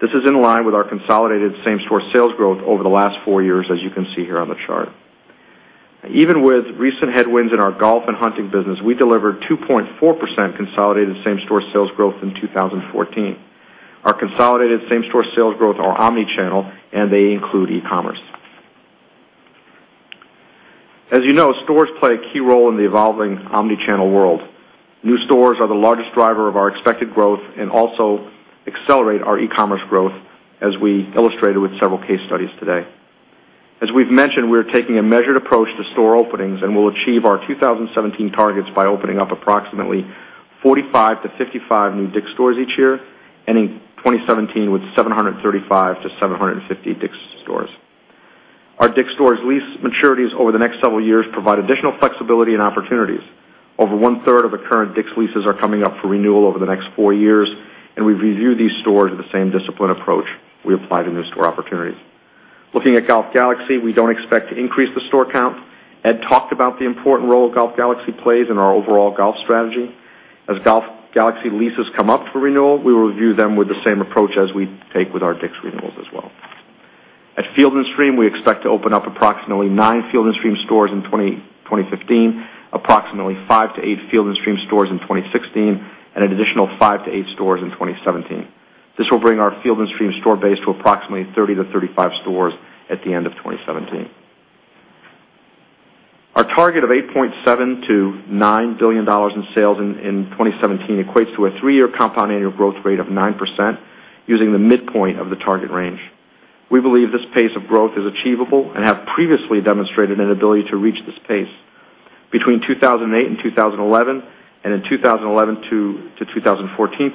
This is in line with our consolidated same-store sales growth over the last four years, as you can see here on the chart. Even with recent headwinds in our golf and hunting business, we delivered 2.4% consolidated same-store sales growth in 2014. Our consolidated same-store sales growth are omnichannel, and they include e-commerce. As you know, stores play a key role in the evolving omnichannel world. New stores are the largest driver of our expected growth and also accelerate our e-commerce growth, as we illustrated with several case studies today. As we've mentioned, we are taking a measured approach to store openings and will achieve our 2017 targets by opening up approximately 45-55 new DICK'S stores each year, ending 2017 with 735-750 DICK'S stores. Our DICK'S stores lease maturities over the next several years provide additional flexibility and opportunities. Over one-third of the current DICK'S leases are coming up for renewal over the next four years, and we review these stores with the same disciplined approach we apply to new store opportunities. Looking at Golf Galaxy, we don't expect to increase the store count. Ed talked about the important role Golf Galaxy plays in our overall golf strategy. As Golf Galaxy leases come up for renewal, we will review them with the same approach as we take with our DICK'S renewals as well. At Field & Stream, we expect to open up approximately nine Field & Stream stores in 2015, approximately 5-8 Field & Stream stores in 2016, and an additional 5-8 stores in 2017. This will bring our Field & Stream store base to approximately 30-35 stores at the end of 2017. Our target of $8.7 billion-$9 billion in sales in 2017 equates to a three-year compound annual growth rate of 9% using the midpoint of the target range. We believe this pace of growth is achievable and have previously demonstrated an ability to reach this pace. Between 2008 and 2011 and in 2011-2014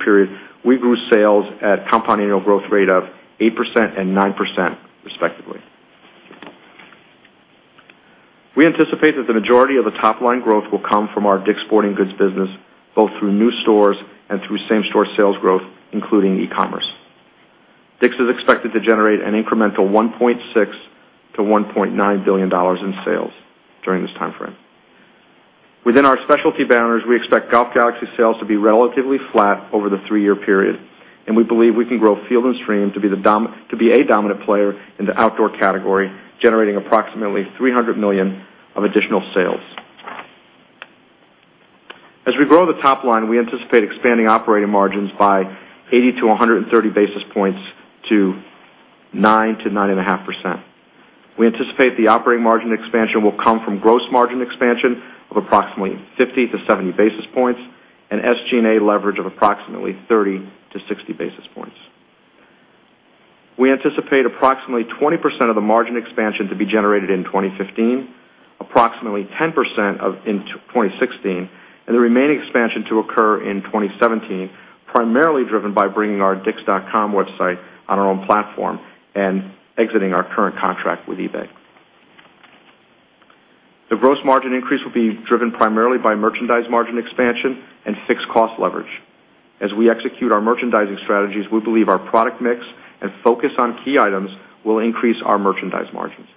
period, we grew sales at compound annual growth rate of 8% and 9% respectively. We anticipate that the majority of the top-line growth will come from our DICK'S Sporting Goods business, both through new stores and through same-store sales growth, including e-commerce. DICK'S is expected to generate an incremental $1.6 billion-$1.9 billion in sales during this timeframe. Within our specialty banners, we expect Golf Galaxy sales to be relatively flat over the three-year period, and we believe we can grow Field & Stream to be a dominant player in the outdoor category, generating approximately $300 million of additional sales. As we grow the top line, we anticipate expanding operating margins by 80-130 basis points to 9%-9.5%. We anticipate the operating margin expansion will come from gross margin expansion of approximately 50-70 basis points and SG&A leverage of approximately 30-60 basis points. We anticipate approximately 20% of the margin expansion to be generated in 2015, approximately 10% in 2016, and the remaining expansion to occur in 2017, primarily driven by bringing our dicks.com website on our own platform and exiting our current contract with eBay. The gross margin increase will be driven primarily by merchandise margin expansion and fixed cost leverage. As we execute our merchandising strategies, we believe our product mix and focus on key items will increase our merchandise margins.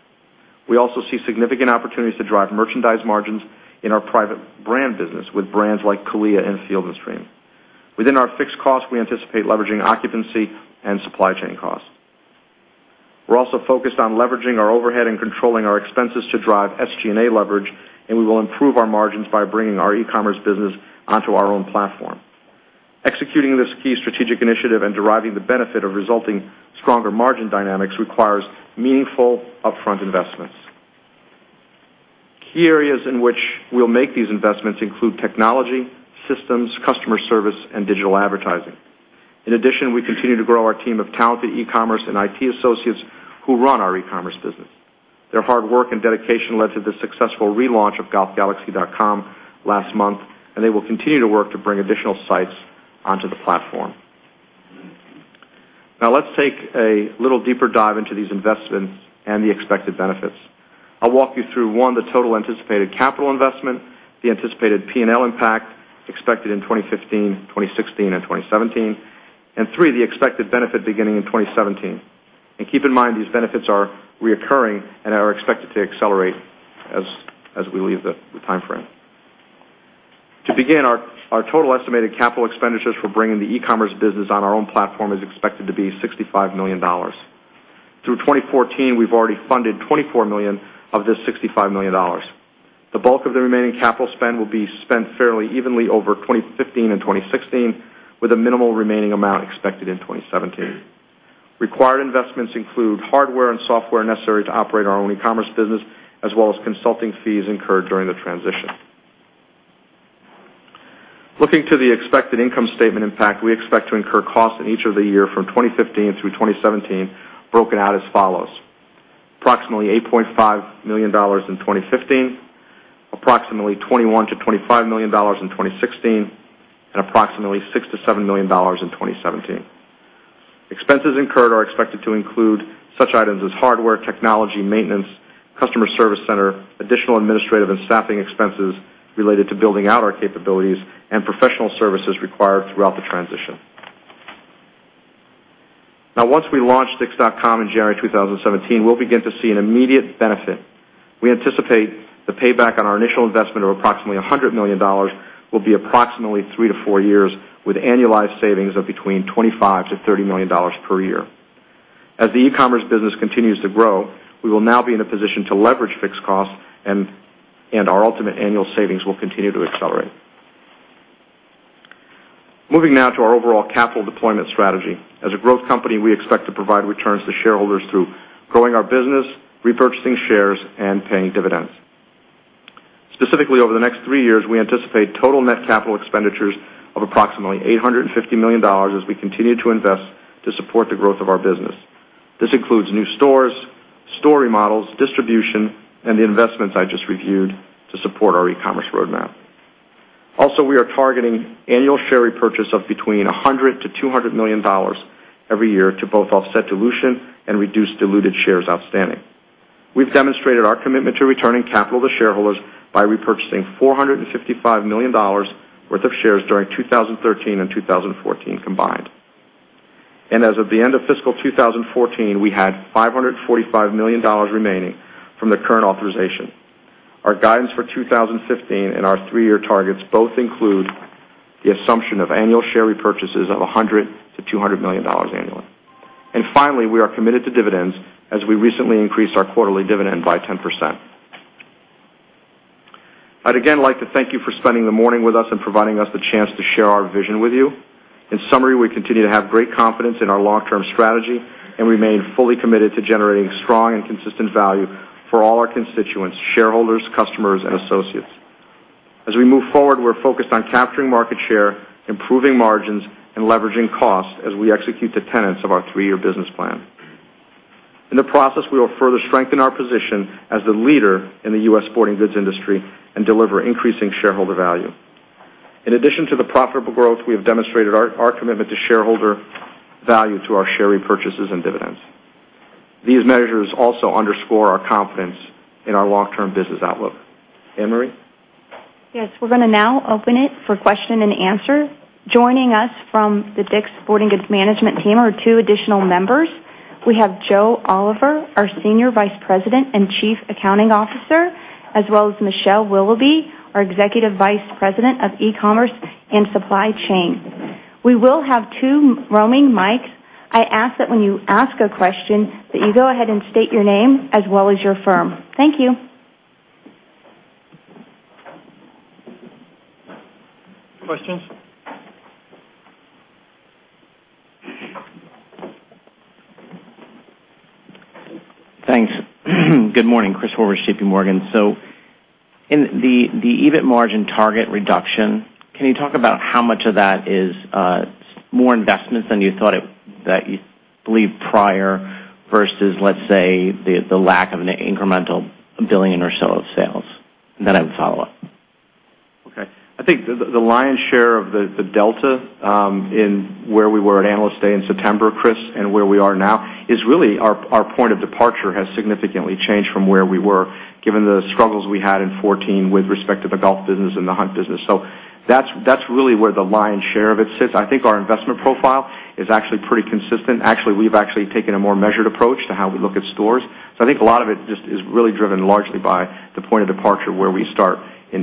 We also see significant opportunities to drive merchandise margins in our private brand business with brands like CALIA and Field & Stream. Within our fixed costs, we anticipate leveraging occupancy and supply chain costs. We're also focused on leveraging our overhead and controlling our expenses to drive SG&A leverage. We will improve our margins by bringing our e-commerce business onto our own platform. Executing this key strategic initiative and deriving the benefit of resulting stronger margin dynamics requires meaningful upfront investments. Key areas in which we'll make these investments include technology, systems, customer service, and digital advertising. In addition, we continue to grow our team of talented e-commerce and IT associates who run our e-commerce business. Their hard work and dedication led to the successful relaunch of golfgalaxy.com last month, and they will continue to work to bring additional sites onto the platform. Let's take a little deeper dive into these investments and the expected benefits. I'll walk you through, one, the total anticipated capital investment, the anticipated P&L impact expected in 2015, 2016, and 2017, and three, the expected benefit beginning in 2017. Keep in mind, these benefits are reoccurring and are expected to accelerate as we leave the timeframe. To begin, our total estimated capital expenditures for bringing the e-commerce business on our own platform is expected to be $65 million. Through 2014, we've already funded $24 million of this $65 million. The bulk of the remaining capital spend will be spent fairly evenly over 2015 and 2016, with a minimal remaining amount expected in 2017. Required investments include hardware and software necessary to operate our own e-commerce business, as well as consulting fees incurred during the transition. Looking to the expected income statement impact, we expect to incur costs in each of the year from 2015 through 2017, broken out as follows. Approximately $8.5 million in 2015, approximately $21 million-$25 million in 2016, and approximately $6 million-$7 million in 2017. Expenses incurred are expected to include such items as hardware, technology, maintenance, customer service center, additional administrative and staffing expenses related to building out our capabilities, and professional services required throughout the transition. Once we launch dicks.com in January 2017, we'll begin to see an immediate benefit. We anticipate the payback on our initial investment of approximately $100 million will be approximately three to four years, with annualized savings of between $25 million-$30 million per year. As the e-commerce business continues to grow, we will now be in a position to leverage fixed costs, and our ultimate annual savings will continue to accelerate. Moving to our overall capital deployment strategy. As a growth company, we expect to provide returns to shareholders through growing our business, repurchasing shares, and paying dividends. Specifically, over the next three years, we anticipate total net capital expenditures of approximately $850 million as we continue to invest to support the growth of our business. This includes new stores, store remodels, distribution, and the investments I just reviewed to support our e-commerce roadmap. We are targeting annual share repurchase of between $100 million-$200 million every year to both offset dilution and reduce diluted shares outstanding. We've demonstrated our commitment to returning capital to shareholders by repurchasing $455 million worth of shares during 2013 and 2014 combined. As of the end of fiscal 2014, we had $545 million remaining from the current authorization. Our guidance for 2015 and our three-year targets both include the assumption of annual share repurchases of $100 million to $200 million annually. Finally, we are committed to dividends, as we recently increased our quarterly dividend by 10%. I'd again like to thank you for spending the morning with us and providing us the chance to share our vision with you. In summary, we continue to have great confidence in our long-term strategy and remain fully committed to generating strong and consistent value for all our constituents, shareholders, customers, and associates. As we move forward, we're focused on capturing market share, improving margins, and leveraging costs as we execute the tenets of our three-year business plan. In the process, we will further strengthen our position as the leader in the U.S. sporting goods industry and deliver increasing shareholder value. In addition to the profitable growth, we have demonstrated our commitment to shareholder value to our share repurchases and dividends. These measures also underscore our confidence in our long-term business outlook. Anne Marie? Yes. We're going to now open it for question and answer. Joining us from the DICK'S Sporting Goods management team are two additional members. We have Joseph Oliver, our Senior Vice President and Chief Accounting Officer, as well as Michele Willoughby, our Executive Vice President of E-commerce and Supply Chain. We will have two roaming mics. I ask that when you ask a question, that you go ahead and state your name as well as your firm. Thank you. Questions? Thanks. Good morning. Chris Horvers, JPMorgan. In the EBIT margin target reduction, can you talk about how much of that is more investments than you thought that you believed prior versus, let's say, the lack of an incremental billion or so of sales? Then I have a follow-up. Okay. I think the lion's share of the delta in where we were at Analyst Day in September, Chris, and where we are now, is really our point of departure has significantly changed from where we were given the struggles we had in 2014 with respect to the golf business and the hunt business. That's really where the lion's share of it sits. I think our investment profile is actually pretty consistent. Actually, we've taken a more measured approach to how we look at stores. I think a lot of it just is really driven largely by the point of departure where we start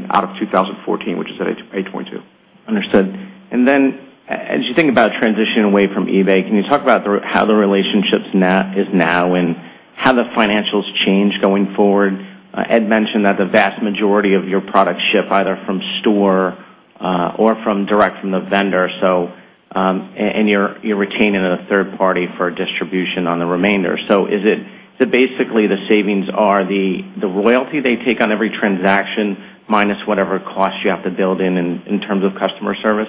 out of 2014, which is at 822. Understood. Then as you think about transitioning away from eBay, can you talk about how the relationship is now and how the financials change going forward? Ed mentioned that the vast majority of your products ship either from store or from direct from the vendor. You're retaining a third party for distribution on the remainder. Basically, the savings are the royalty they take on every transaction minus whatever cost you have to build in terms of customer service?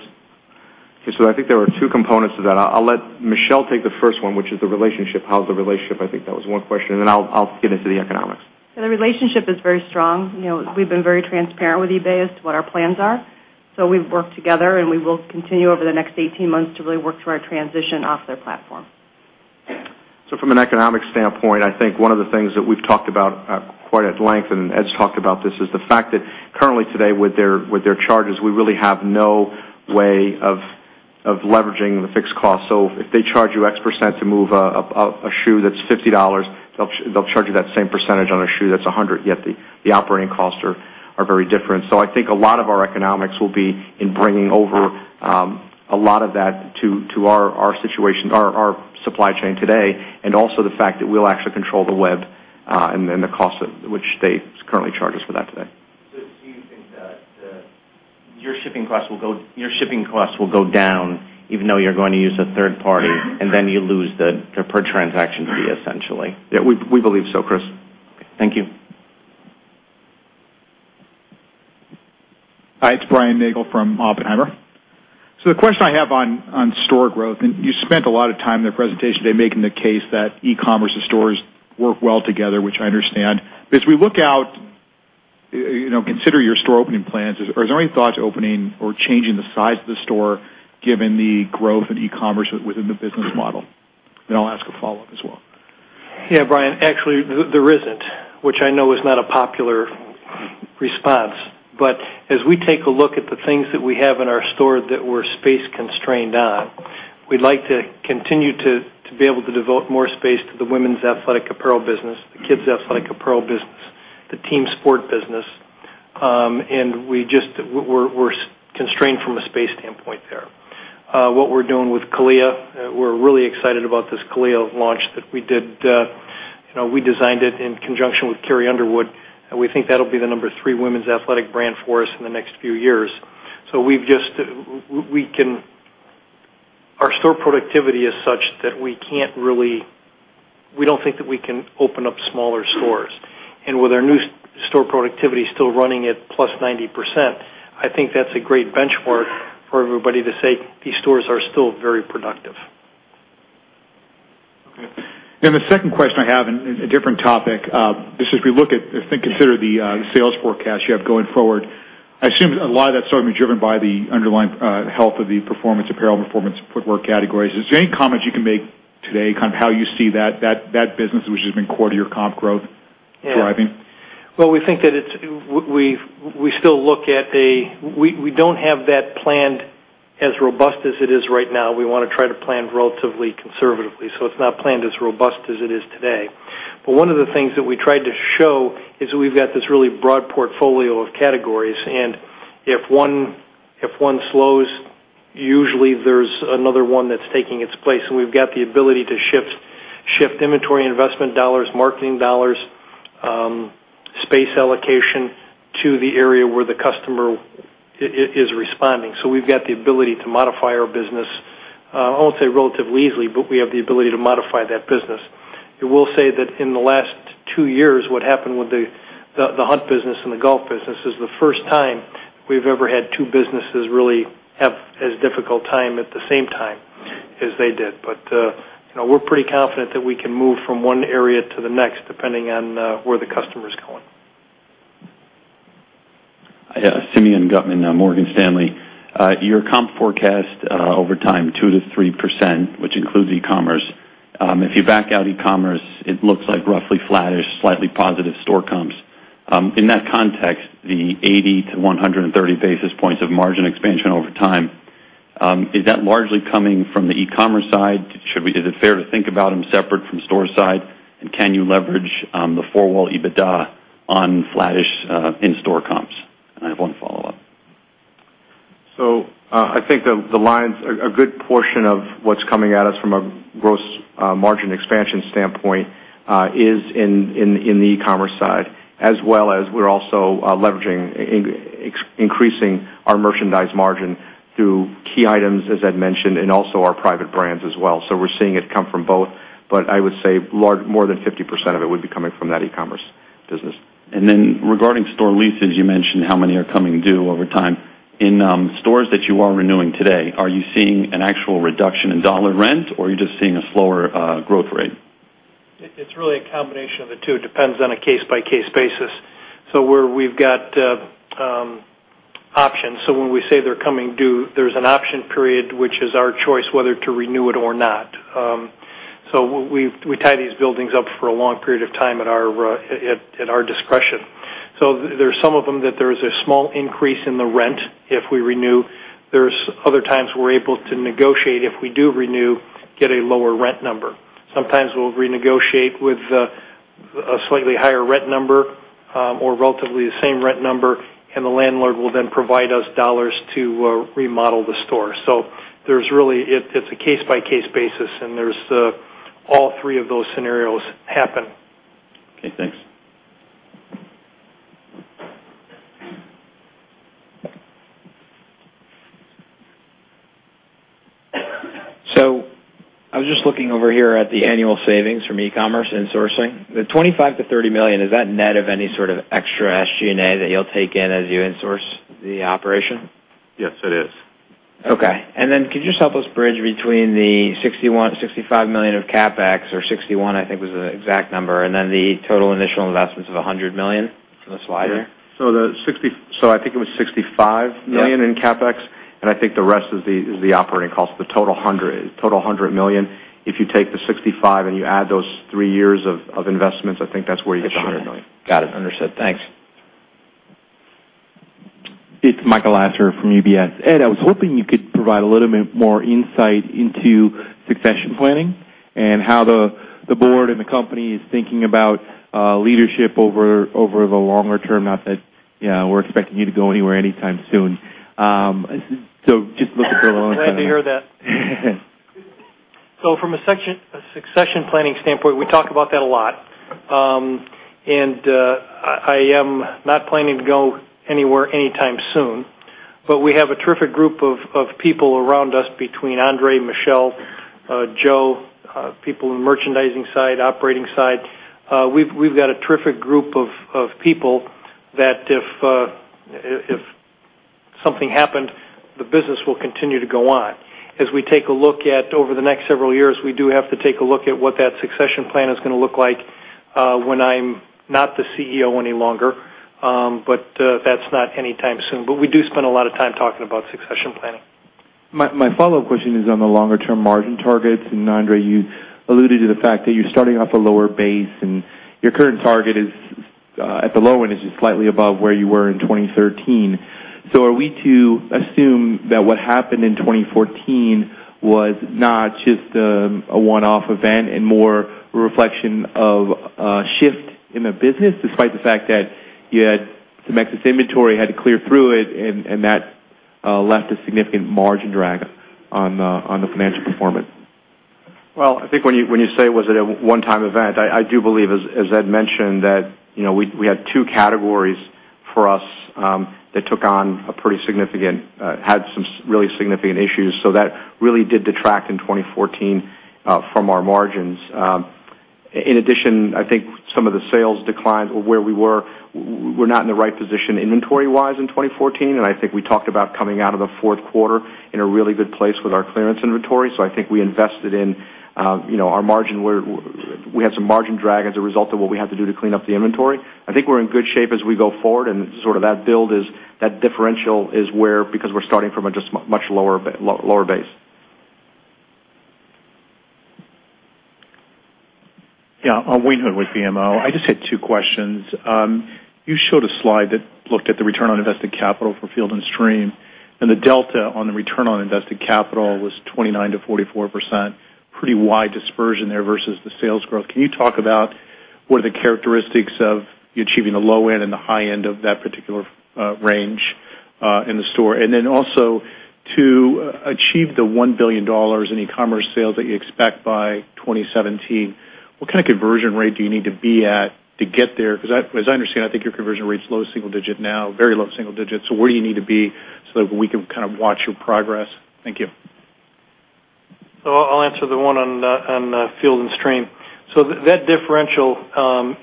I think there are two components to that. I'll let Michele take the first one, which is the relationship. How's the relationship? I think that was one question, then I'll get into the economics. The relationship is very strong. We've been very transparent with eBay as to what our plans are. We've worked together, we will continue over the next 18 months to really work through our transition off their platform. From an economic standpoint, I think one of the things that we've talked about quite at length, and Ed's talked about this, is the fact that currently today with their charges, we really have no way of leveraging the fixed cost. If they charge you X% to move a shoe that's $50, they'll charge you that same percentage on a shoe that's $100, yet the operating costs are very different. I think a lot of our economics will be in bringing over a lot of that to our supply chain today, and also the fact that we'll actually control the web, and the cost at which they currently charge us for that today. You think that your shipping costs will go down even though you're going to use a third party, and then you lose the per-transaction fee, essentially. Yeah, we believe so, Chris. Thank you. The question I have on store growth, you spent a lot of time in the presentation today making the case that e-commerce and stores work well together, which I understand. As we look out, consider your store opening plans. Are there any thoughts opening or changing the size of the store given the growth of e-commerce within the business model? I'll ask a follow-up as well. Yeah, Brian, actually, there isn't, which I know is not a popular response. As we take a look at the things that we have in our store that we're space-constrained on, we'd like to continue to be able to devote more space to the women's athletic apparel business, the kids' athletic apparel business, the team sport business. We're constrained from a space standpoint there. What we're doing with CALIA, we're really excited about this CALIA launch that we did. We designed it in conjunction with Carrie Underwood, we think that'll be the number three women's athletic brand for us in the next few years. Our store productivity is such that we don't think that we can open up smaller stores. With our new store productivity still running at +90%, I think that's a great benchmark for everybody to say these stores are still very productive. Okay. The second question I have, a different topic. Just as we look at, if we consider the sales forecast you have going forward, I assume a lot of that is sort of driven by the underlying health of the performance apparel, performance footwear categories. Is there any comment you can make today kind of how you see that business, which has been core to your comp growth, driving? Well, we don't have that planned as robust as it is right now. We want to try to plan relatively conservatively. It's not planned as robust as it is today. One of the things that we tried to show is that we've got this really broad portfolio of categories, and if one slows, usually there's another one that's taking its place. We've got the ability to shift inventory investment dollars, marketing dollars, space allocation to the area where the customer is responding. We've got the ability to modify our business, I won't say relatively easily, but we have the ability to modify that business. I will say that in the last two years, what happened with the hunt business and the golf business is the first time we've ever had two businesses really have as difficult time at the same time as they did. We're pretty confident that we can move from one area to the next, depending on where the customer's going. Simeon Gutman, Morgan Stanley. Your comp forecast over time, 2%-3%, which includes e-commerce. If you back out e-commerce, it looks like roughly flattish, slightly positive store comps. In that context, the 80-130 basis points of margin expansion over time, is that largely coming from the e-commerce side? Is it fair to think about them separate from store side? Can you leverage the four-wall EBITDA on flattish in-store comps? I have one follow-up. I think a good portion of what's coming at us from a gross margin expansion standpoint is in the e-commerce side, as well as we're also leveraging, increasing our merchandise margin through key items, as Ed mentioned, and also our private brands as well. We're seeing it come from both. I would say more than 50% of it would be coming from that e-commerce business. Regarding store leases, you mentioned how many are coming due over time. In stores that you are renewing today, are you seeing an actual reduction in dollar rent or are you just seeing a slower growth rate? It's really a combination of the two. It depends on a case-by-case basis. Where we've got options, when we say they're coming due, there's an option period, which is our choice whether to renew it or not. We tie these buildings up for a long period of time at our discretion. There are some of them that there is a small increase in the rent if we renew. There's other times we're able to negotiate if we do renew, get a lower rent number. Sometimes we'll renegotiate with a slightly higher rent number, or relatively the same rent number, and the landlord will then provide us dollars to remodel the store. It's a case-by-case basis, and all three of those scenarios happen. Okay, thanks. I was just looking over here at the annual savings from e-commerce and sourcing. The $25 million-$30 million, is that net of any sort of extra SG&A that you'll take in as you in-source the operation? Yes, it is. Okay. Could you just help us bridge between the $65 million of CapEx, or $61 I think was the exact number, and the total initial investments of $100 million from the slide here? I think it was $65 million. Yeah In CapEx, and I think the rest is the operating cost. The total $100 million. If you take the $65 and you add those three years of investments, I think that's where you get the $100 million. Got it. Understood. Thanks. It's Michael Lasser from UBS. Ed, I was hoping you could provide a little bit more insight into succession planning and how the board and the company is thinking about leadership over the longer term. Not that we're expecting you to go anywhere anytime soon. Just looking for a little insight. Glad to hear that. From a succession planning standpoint, we talk about that a lot. I am not planning to go anywhere anytime soon, but we have a terrific group of people around us, between André, Michele, Joe, people in the merchandising side, operating side. We've got a terrific group of people that if something happened, the business will continue to go on. As we take a look at over the next several years, we do have to take a look at what that succession plan is going to look like when I'm not the CEO any longer. That's not anytime soon. We do spend a lot of time talking about succession planning. My follow-up question is on the longer-term margin targets. André, you alluded to the fact that you're starting off a lower base and your current target is, at the low end, is just slightly above where you were in 2013. Are we to assume that what happened in 2014 was not just a one-off event and more a reflection of a shift in the business, despite the fact that you had some excess inventory, had to clear through it, and that left a significant margin drag on the financial performance? Well, I think when you say was it a one-time event, I do believe, as Ed mentioned, that we had two categories for us that had some really significant issues. That really did detract in 2014 from our margins. In addition, I think some of the sales declined where we were not in the right position inventory-wise in 2014, and I think we talked about coming out of the fourth quarter in a really good place with our clearance inventory. I think we invested in our margin where we had some margin drag as a result of what we had to do to clean up the inventory. I think we're in good shape as we go forward, and sort of that build, that differential is where, because we're starting from a just much lower base. Yeah. Wayne Hood with BMO. I just had two questions. You showed a slide that looked at the return on invested capital for Field & Stream, and the delta on the return on invested capital was 29%-44%. Pretty wide dispersion there versus the sales growth. Can you talk about what are the characteristics of you achieving the low end and the high end of that particular range in the store? Also to achieve the $1 billion in e-commerce sales that you expect by 2017, what kind of conversion rate do you need to be at to get there? Because as I understand, I think your conversion rate's low single digit now, very low single digit. Where do you need to be so that we can kind of watch your progress? Thank you. I'll answer the one on Field & Stream. That differential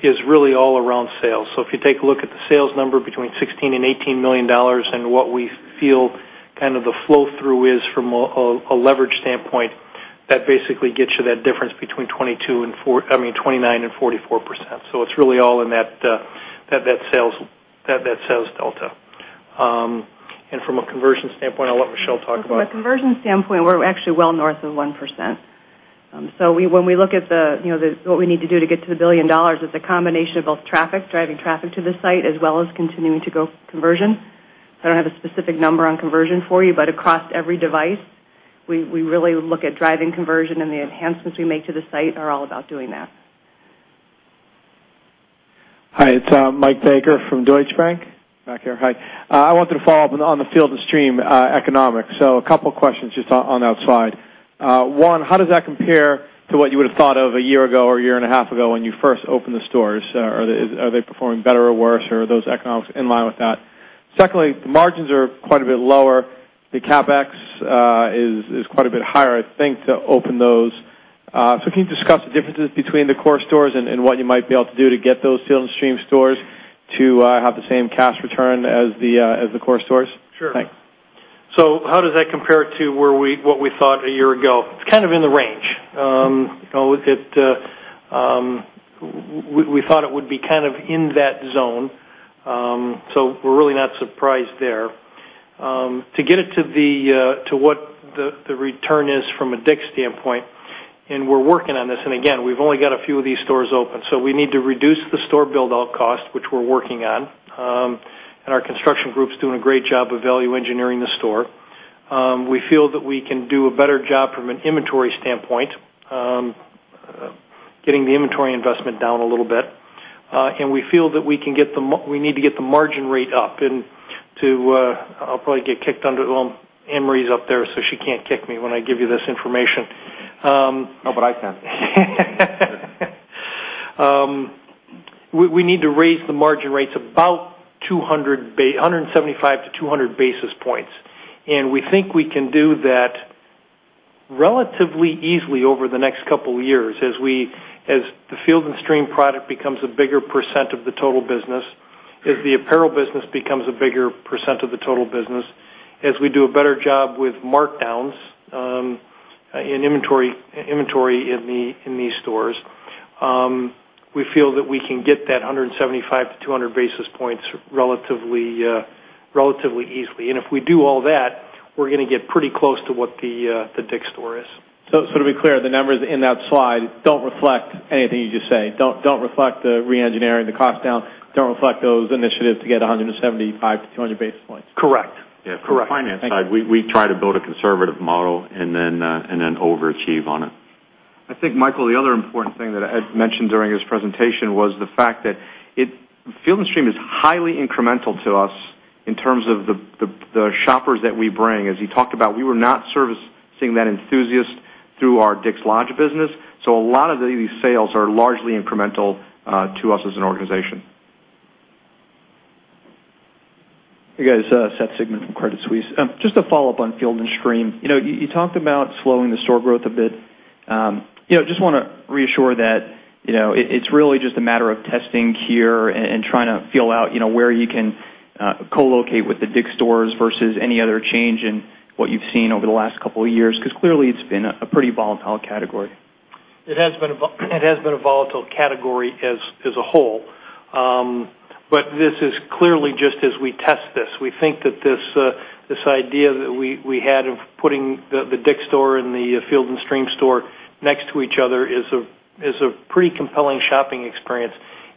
is really all around sales. If you take a look at the sales number between $16 million and $18 million and what we feel kind of the flow-through is from a leverage standpoint, that basically gets you that difference between 29% and 44%. It's really all in that sales delta. From a conversion standpoint, I'll let Michele talk about- From a conversion standpoint, we're actually well north of 1%. When we look at what we need to do to get to the $1 billion, it's a combination of both traffic, driving traffic to the site, as well as continuing to go conversion. I don't have a specific number on conversion for you, across every device, we really look at driving conversion, and the enhancements we make to the site are all about doing that. Hi, it's Michael Baker from Deutsche Bank. Back here. Hi. I wanted to follow up on the Field & Stream economics. A couple questions just on that slide. One, how does that compare to what you would've thought of a year ago or a year and a half ago when you first opened the stores? Are they performing better or worse, or are those economics in line with that? Secondly, the margins are quite a bit lower. The CapEx is quite a bit higher, I think, to open those. Can you discuss the differences between the core stores and what you might be able to do to get those Field & Stream stores to have the same cash return as the core stores? Sure. Thanks. How does that compare to what we thought a year ago? It's kind of in the range. We thought it would be kind of in that zone. We're really not surprised there. To get it to what the return is from a DICK'S standpoint, and we're working on this, and again, we've only got a few of these stores open, so we need to reduce the store build-out cost, which we're working on. Our construction group's doing a great job of value engineering the store. We feel that we can do a better job from an inventory standpoint, getting the inventory investment down a little bit. We feel that we need to get the margin rate up and to I'll probably get kicked under the-- Well, Anne Marie's up there, so she can't kick me when I give you this information. No, I can. We need to raise the margin rates about 175 to 200 basis points. We think we can do that relatively easily over the next couple of years, as the Field & Stream product becomes a bigger % of the total business, as the apparel business becomes a bigger % of the total business, as we do a better job with markdowns, and inventory in these stores. We feel that we can get that 175 to 200 basis points relatively easily. If we do all that, we're going to get pretty close to what the DICK'S store is. To be clear, the numbers in that slide don't reflect anything you just said. Don't reflect the re-engineering, the cost down. Don't reflect those initiatives to get 175 to 200 basis points. Correct. Yeah. From the finance side, we try to build a conservative model and then overachieve on it. I think, Michael, the other important thing that Ed mentioned during his presentation was the fact that Field & Stream is highly incremental to us in terms of the shoppers that we bring. As he talked about, we were not servicing that enthusiast through our DICK'S Lodge business. A lot of these sales are largely incremental to us as an organization. Hey, guys. Seth Sigman from Credit Suisse. Just a follow-up on Field & Stream. You talked about slowing the store growth a bit. Just want to reassure that it's really just a matter of testing here and trying to feel out where you can co-locate with the DICK'S stores versus any other change in what you've seen over the last couple of years, because clearly it's been a pretty volatile category. It has been a volatile category as a whole. This is clearly just as we test this. We think that this idea that we had of putting the DICK'S store and the Field & Stream store next to each other is a pretty compelling shopping experience.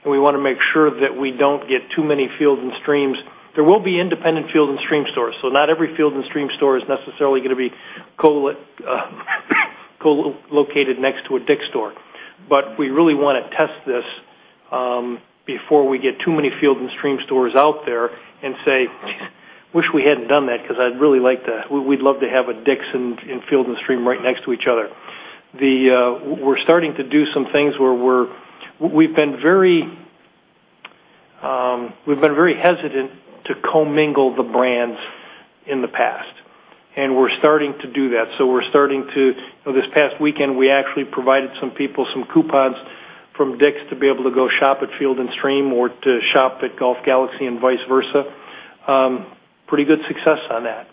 We want to make sure that we don't get too many Field & Streams. There will be independent Field & Stream stores, not every Field & Stream store is necessarily going to be co-located next to a DICK'S store. We really want to test this before we get too many Field & Stream stores out there and say, "Wish we hadn't done that because I'd really like to. We'd love to have a DICK'S and Field & Stream right next to each other. We're starting to do some things where we've been very hesitant to commingle the brands in the past, and we're starting to do that. This past weekend, we actually provided some people some coupons from DICK'S to be able to go shop at Field & Stream or to shop at Golf Galaxy and vice versa. Pretty good success on that.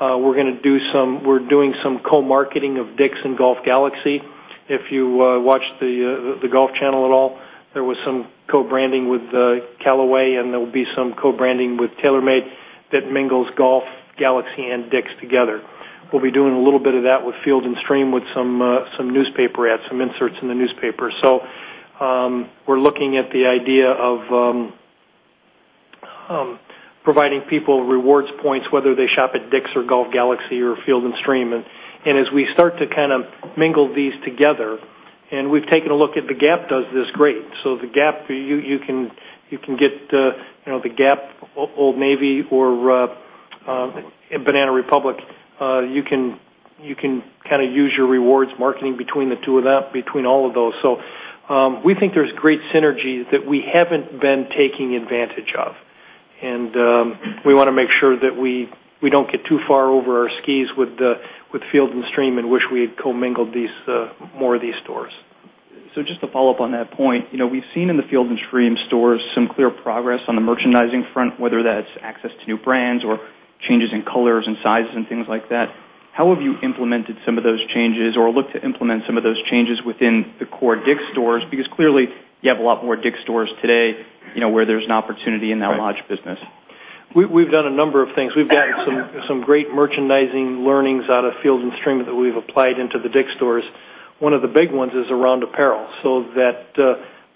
We're doing some co-marketing of DICK'S and Golf Galaxy. If you watch the Golf Channel at all, there was some co-branding with Callaway, and there will be some co-branding with TaylorMade that mingles Golf Galaxy and DICK'S together. We'll be doing a little bit of that with Field & Stream with some newspaper ads, some inserts in the newspaper. We're looking at the idea of providing people rewards points, whether they shop at DICK'S or Golf Galaxy or Field & Stream. As we start to kind of mingle these together, and we've taken a look at The Gap does this great. The Gap, you can get The Gap, Old Navy, or Banana Republic. You can use your rewards marketing between the two of that, between all of those. We think there's great synergy that we haven't been taking advantage of. We want to make sure that we don't get too far over our skis with Field & Stream and wish we had commingled more of these stores. Just to follow up on that point. We've seen in the Field & Stream stores some clear progress on the merchandising front, whether that's access to new brands or changes in colors and sizes and things like that. How have you implemented some of those changes or looked to implement some of those changes within the core DICK'S stores? Clearly, you have a lot more DICK'S stores today, where there's an opportunity in that Lodge business. We've done a number of things. We've gotten some great merchandising learnings out of Field & Stream that we've applied into the DICK'S stores. One of the big ones is around apparel.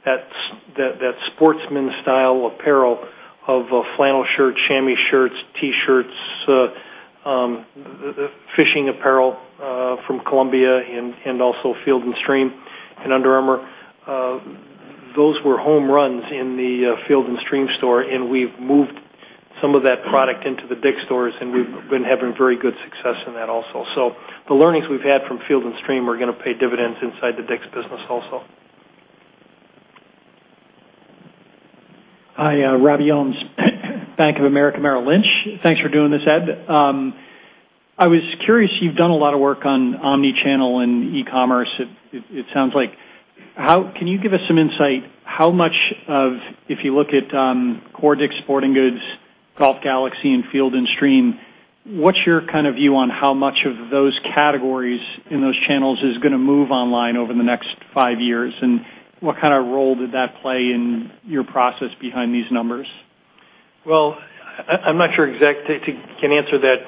That sportsman style apparel of flannel shirts, chamois shirts, T-shirts, fishing apparel from Columbia and also Field & Stream and Under Armour. Those were home runs in the Field & Stream store, and we've moved some of that product into the DICK'S stores, and we've been having very good success in that also. The learnings we've had from Field & Stream are going to pay dividends inside the DICK'S business also. Hi, Robert Ohmes, Bank of America, Merrill Lynch. Thanks for doing this, Ed. I was curious, you've done a lot of work on omnichannel and e-commerce, it sounds like. Can you give us some insight how much of, if you look at core DICK'S Sporting Goods Golf Galaxy and Field & Stream. What's your view on how much of those categories in those channels is going to move online over the next five years, and what kind of role did that play in your process behind these numbers? I'm not sure exactly if I can answer that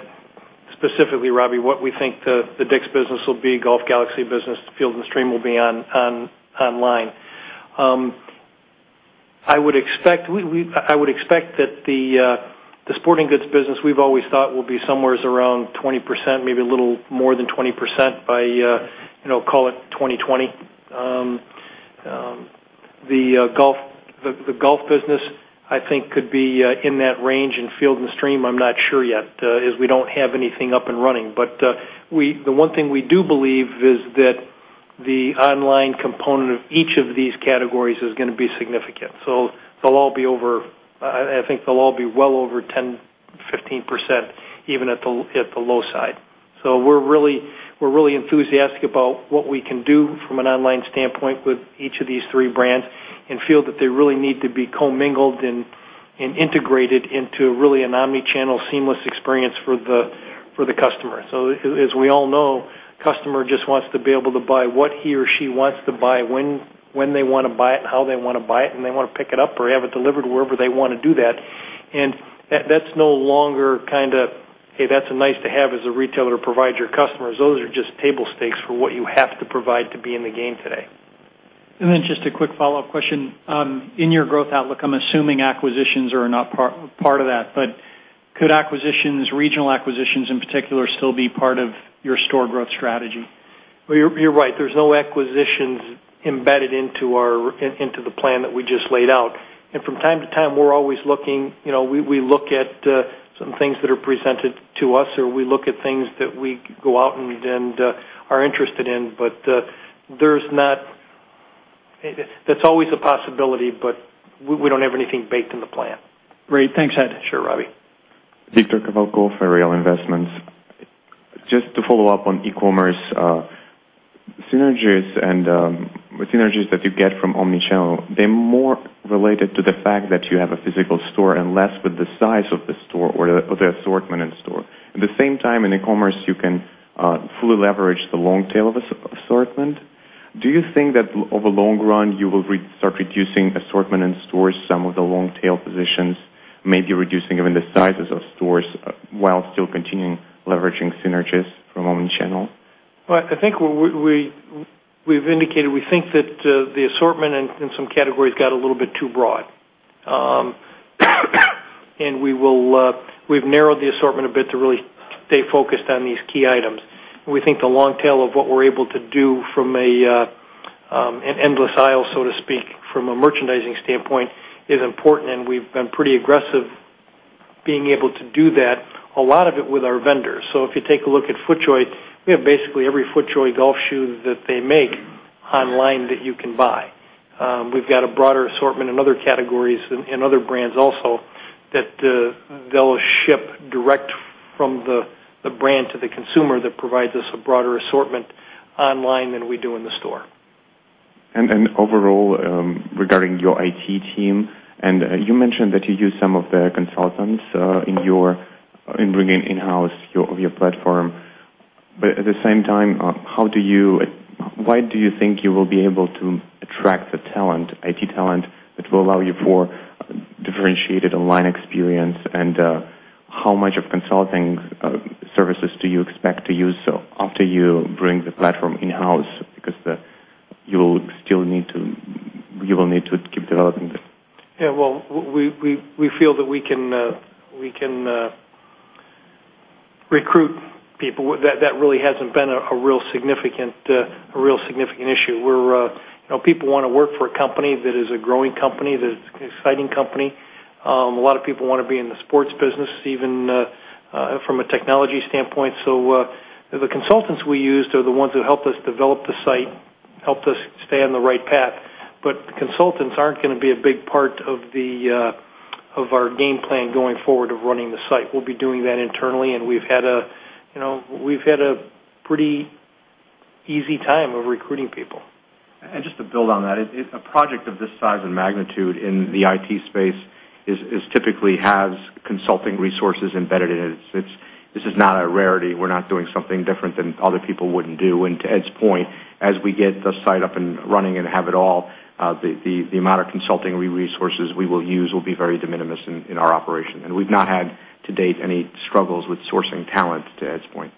specifically, Robbie, what we think the DICK'S business will be, Golf Galaxy business, Field & Stream will be online. I would expect that the sporting goods business, we've always thought will be somewhere around 20%, maybe a little more than 20% by, call it 2020. The golf business, I think, could be in that range. In Field & Stream, I'm not sure yet, as we don't have anything up and running. The one thing we do believe is that the online component of each of these categories is going to be significant. I think they'll all be well over 10, 15%, even at the low side. We're really enthusiastic about what we can do from an online standpoint with each of these three brands and feel that they really need to be co-mingled and integrated into really an omnichannel seamless experience for the customer. As we all know, customer just wants to be able to buy what he or she wants to buy, when they want to buy it, how they want to buy it, and they want to pick it up or have it delivered wherever they want to do that. That's no longer kind of, "Hey, that's nice to have as a retailer to provide your customers." Those are just table stakes for what you have to provide to be in the game today. Just a quick follow-up question. In your growth outlook, I'm assuming acquisitions are not part of that, but could acquisitions, regional acquisitions in particular, still be part of your store growth strategy? Well, you're right. There's no acquisitions embedded into the plan that we just laid out. From time to time, we're always looking. We look at some things that are presented to us, or we look at things that we go out and are interested in. That's always a possibility, but we don't have anything baked in the plan. Great. Thanks, Ed. Sure, Robbie. Viktor Kovalkov for Real Investments. Just to follow up on e-commerce synergies and what synergies that you get from omnichannel. They're more related to the fact that you have a physical store and less with the size of the store or the assortment in store. At the same time, in e-commerce, you can fully leverage the long tail of assortment. Do you think that over long run, you will start reducing assortment in stores, some of the long tail positions, maybe reducing even the sizes of stores while still continuing leveraging synergies from omnichannel? I think we've indicated, we think that the assortment in some categories got a little bit too broad. We've narrowed the assortment a bit to really stay focused on these key items. We think the long tail of what we're able to do from an endless aisle, so to speak, from a merchandising standpoint, is important, and we've been pretty aggressive being able to do that, a lot of it with our vendors. If you take a look at FootJoy, we have basically every FootJoy golf shoe that they make online that you can buy. We've got a broader assortment in other categories and other brands also that they'll ship direct from the brand to the consumer that provides us a broader assortment online than we do in the store. Overall, regarding your IT team. You mentioned that you use some of the consultants in bringing in-house of your platform. At the same time, why do you think you will be able to attract the talent, IT talent, that will allow you for differentiated online experience? How much of consulting services do you expect to use after you bring the platform in-house? Because you will need to keep developing that. We feel that we can recruit people. That really hasn't been a real significant issue. People want to work for a company that is a growing company, that is an exciting company. A lot of people want to be in the sports business, even from a technology standpoint. The consultants we used are the ones who helped us develop the site, helped us stay on the right path. Consultants aren't going to be a big part of our game plan going forward of running the site. We'll be doing that internally, and we've had a pretty easy time of recruiting people. Just to build on that. A project of this size and magnitude in the IT space typically has consulting resources embedded in it. This is not a rarity. We're not doing something different than other people wouldn't do. To Ed's point, as we get the site up and running and have it all, the amount of consulting resources we will use will be very de minimis in our operation. We've not had, to date, any struggles with sourcing talent, to Ed's point.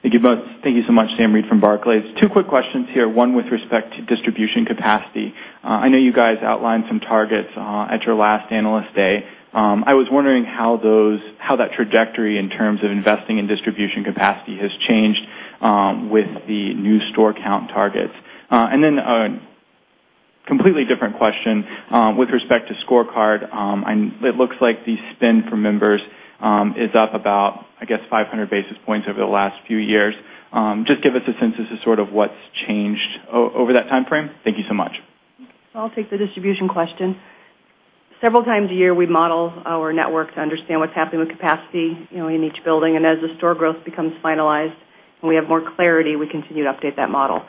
Thank you both. Thank you so much. Simeon Gutman from Barclays. Two quick questions here, one with respect to distribution capacity. I know you guys outlined some targets at your last Analyst Day. I was wondering how that trajectory in terms of investing in distribution capacity has changed with the new store count targets. Then a completely different question. With respect to Scorecard, it looks like the spend for members is up about, I guess, 500 basis points over the last few years. Just give us a sense as to sort of what's changed over that timeframe. Thank you so much. I'll take the distribution question. Several times a year, we model our network to understand what's happening with capacity in each building. As the store growth becomes finalized and we have more clarity, we continue to update that model.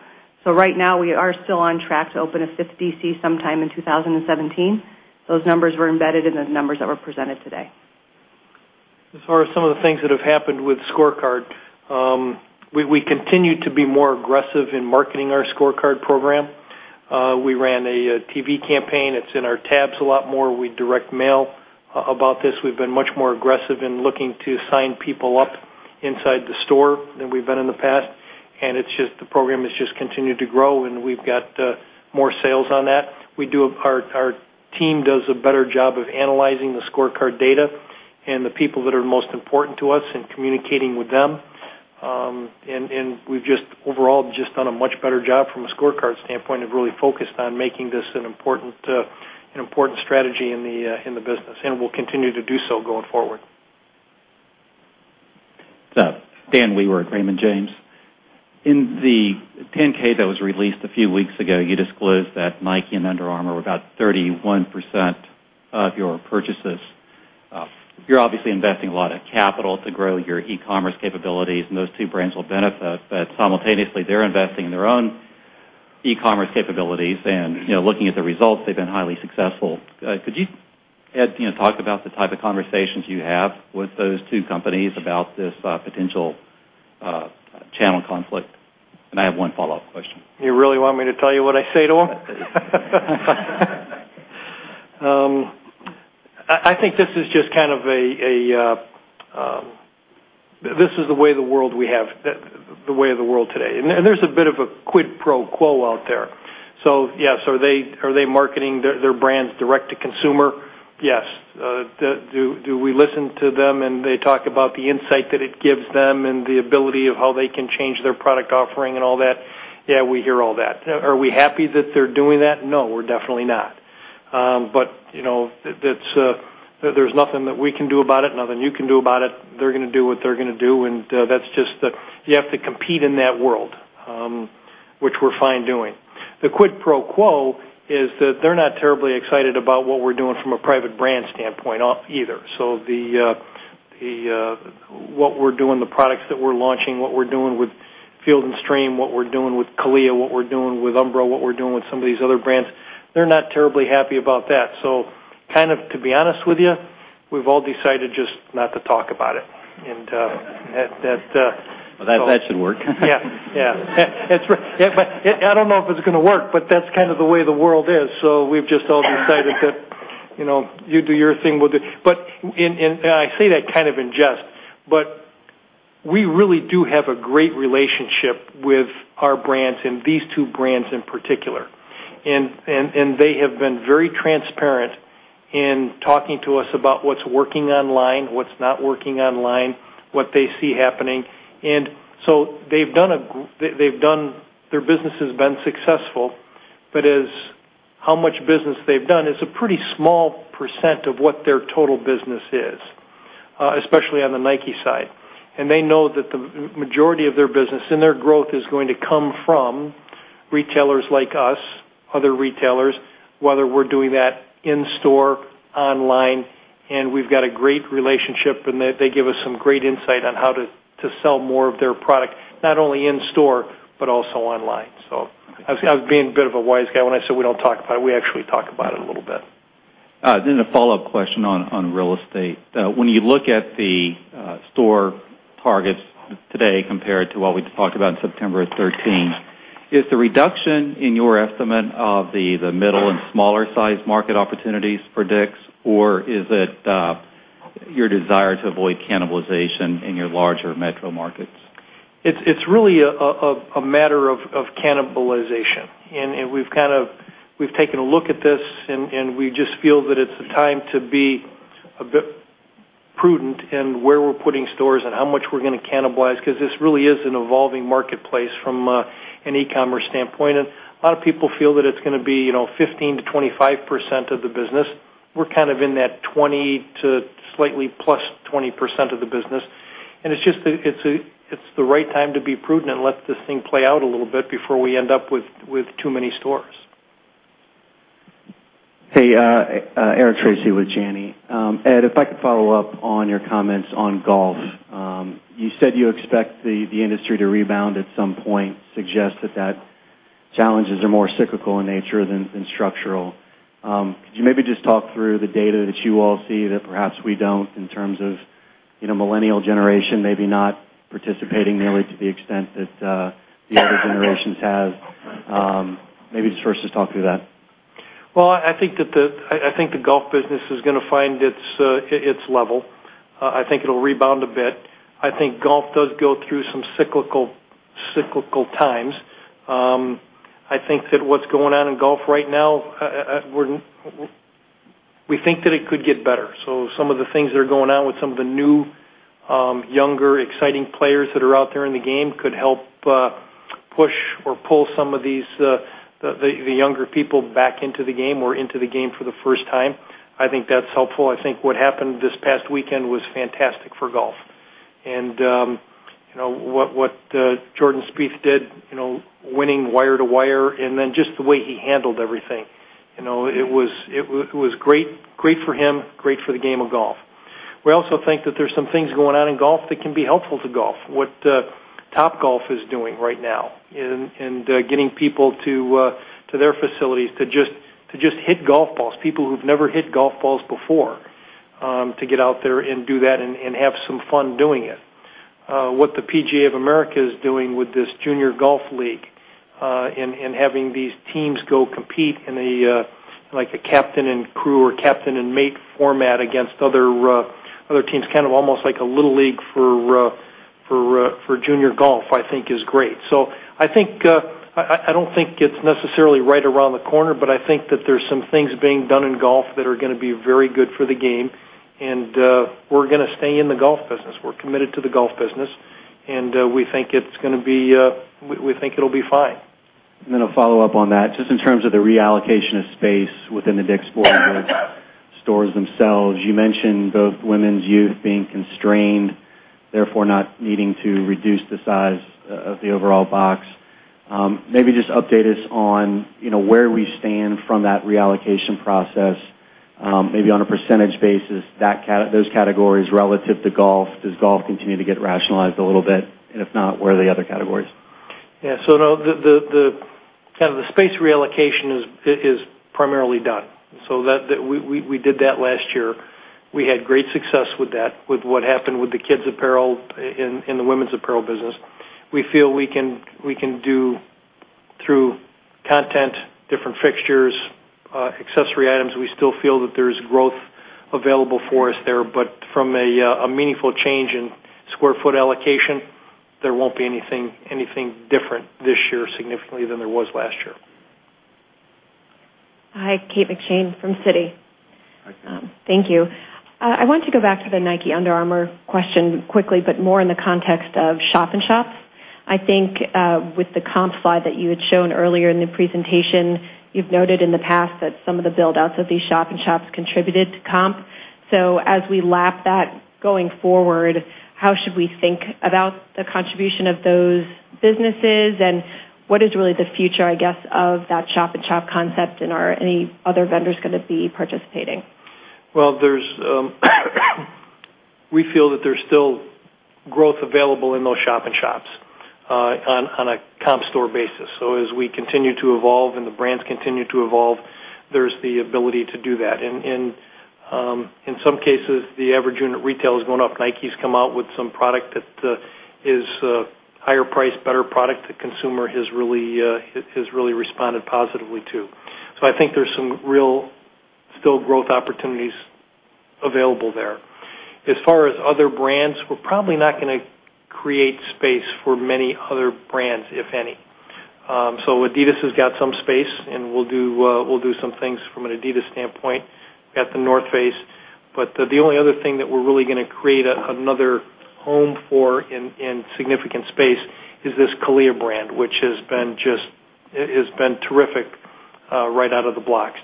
Right now, we are still on track to open a fifth DC sometime in 2017. Those numbers were embedded in the numbers that were presented today. As far as some of the things that have happened with Scorecard, we continue to be more aggressive in marketing our Scorecard program. We ran a TV campaign. It's in our tabs a lot more. We direct mail about this. We've been much more aggressive in looking to sign people up inside the store than we've been in the past, and the program has just continued to grow, and we've got more sales on that. Our team does a better job of analyzing the Scorecard data and the people that are most important to us and communicating with them. We've just, overall, just done a much better job from a Scorecard standpoint of really focused on making this an important strategy in the business, and we'll continue to do so going forward. Dan Wewer at Raymond James. In the 10-K that was released a few weeks ago, you disclosed that Nike and Under Armour were about 31% of your purchases. You're obviously investing a lot of capital to grow your e-commerce capabilities, and those two brands will benefit. Simultaneously, they're investing in their own e-commerce capabilities and looking at the results, they've been highly successful. Could you, Ed, talk about the type of conversations you have with those two companies about this potential channel conflict? I have one follow-up question. You really want me to tell you what I say to them? I think this is just the way of the world today. There's a bit of a quid pro quo out there. Yes. Are they marketing their brands direct to consumer? Yes. Do we listen to them and they talk about the insight that it gives them and the ability of how they can change their product offering and all that? Yeah, we hear all that. Are we happy that they're doing that? No, we're definitely not. There's nothing that we can do about it, nothing you can do about it. They're going to do what they're going to do, and that's just you have to compete in that world, which we're fine doing. The quid pro quo is that they're not terribly excited about what we're doing from a private brand standpoint either. What we're doing, the products that we're launching, what we're doing with Field & Stream, what we're doing with CALIA, what we're doing with Umbro, what we're doing with some of these other brands, they're not terribly happy about that. To be honest with you, we've all decided just not to talk about it. That. Well, that should work. Yeah. I don't know if it's going to work, but that's kind of the way the world is. We've just all decided that you do your thing with it. I say that kind of in jest, but we really do have a great relationship with our brands and these two brands in particular. They have been very transparent in talking to us about what's working online, what's not working online, what they see happening, their business has been successful. But as how much business they've done is a pretty small percent of what their total business is, especially on the Nike side. They know that the majority of their business and their growth is going to come from retailers like us, other retailers, whether we're doing that in-store, online. We've got a great relationship, and they give us some great insight on how to sell more of their product, not only in-store, but also online. I was being a bit of a wise guy when I said we don't talk about it. We actually talk about it a little bit. A follow-up question on real estate. When you look at the store targets today compared to what we talked about in September of 2013, is the reduction in your estimate of the middle and smaller-sized market opportunities for DICK'S, or is it your desire to avoid cannibalization in your larger metro markets? It's really a matter of cannibalization, and we've taken a look at this. We just feel that it's a time to be a bit prudent in where we're putting stores and how much we're going to cannibalize because this really is an evolving marketplace from an e-commerce standpoint. A lot of people feel that it's going to be 15%-25% of the business. We're in that 20% to slightly +20% of the business. It's the right time to be prudent and let this thing play out a little bit before we end up with too many stores. Hey, Eric Tracy with Janney. Ed, if I could follow up on your comments on golf. You said you expect the industry to rebound at some point, suggest that challenges are more cyclical in nature than structural. Could you maybe just talk through the data that you all see that perhaps we don't in terms of millennial generation, maybe not participating nearly to the extent that the other generations have? Maybe just first just talk through that. Well, I think the golf business is going to find its level. I think it'll rebound a bit. I think golf does go through some cyclical times. I think that what's going on in golf right now, we think that it could get better. Some of the things that are going on with some of the new younger, exciting players that are out there in the game could help push or pull some of the younger people back into the game or into the game for the first time. I think that's helpful. I think what happened this past weekend was fantastic for golf. What Jordan Spieth did, winning wire to wire and It was great for him, great for the game of golf. We also think that there's some things going on in golf that can be helpful to golf. What Topgolf is doing right now in getting people to their facilities to just hit golf balls, people who've never hit golf balls before, to get out there and do that and have some fun doing it. What the PGA of America is doing with this junior golf league, and having these teams go compete in a captain and crew or captain and mate format against other teams, kind of almost like a little league for junior golf, I think is great. I don't think it's necessarily right around the corner, but I think that there's some things being done in golf that are going to be very good for the game, and we're going to stay in the golf business. We're committed to the golf business, and we think it'll be fine. A follow-up on that, just in terms of the reallocation of space within the DICK’S Sporting Goods stores themselves. You mentioned both women's youth being constrained, therefore not needing to reduce the size of the overall box. Maybe just update us on where we stand from that reallocation process. Maybe on a % basis, those categories relative to golf. Does golf continue to get rationalized a little bit? If not, where are the other categories? Yeah. No, the space reallocation is primarily done. We did that last year. We had great success with that, with what happened with the kids apparel and the women's apparel business. We feel we can do, through content, different fixtures, accessory items, we still feel that there's growth available for us there. From a meaningful change in square foot allocation, there won't be anything different this year significantly than there was last year. Hi, Kate McShane from Citi. Hi. Thank you. I want to go back to the Nike, Under Armour question quickly, but more in the context of shop-in-shops. I think with the comp slide that you had shown earlier in the presentation, you've noted in the past that some of the build-outs of these shop-in-shops contributed to comp. As we lap that going forward, how should we think about the contribution of those businesses, and what is really the future, I guess, of that shop-in-shop concept, and are any other vendors going to be participating? Well, we feel that there's still growth available in those shop-in-shops on a comp store basis. As we continue to evolve and the brands continue to evolve, there's the ability to do that. In some cases, the average unit retail is going up. Nike's come out with some product that is a higher price, better product the consumer has really responded positively to. I think there's some real still growth opportunities available there. As far as other brands, we're probably not going to create space for many other brands, if any. Adidas has got some space, and we'll do some things from an Adidas standpoint. We got The North Face. The only other thing that we're really going to create another home for in significant space is this CALIA brand, which has been terrific right out of the blocks.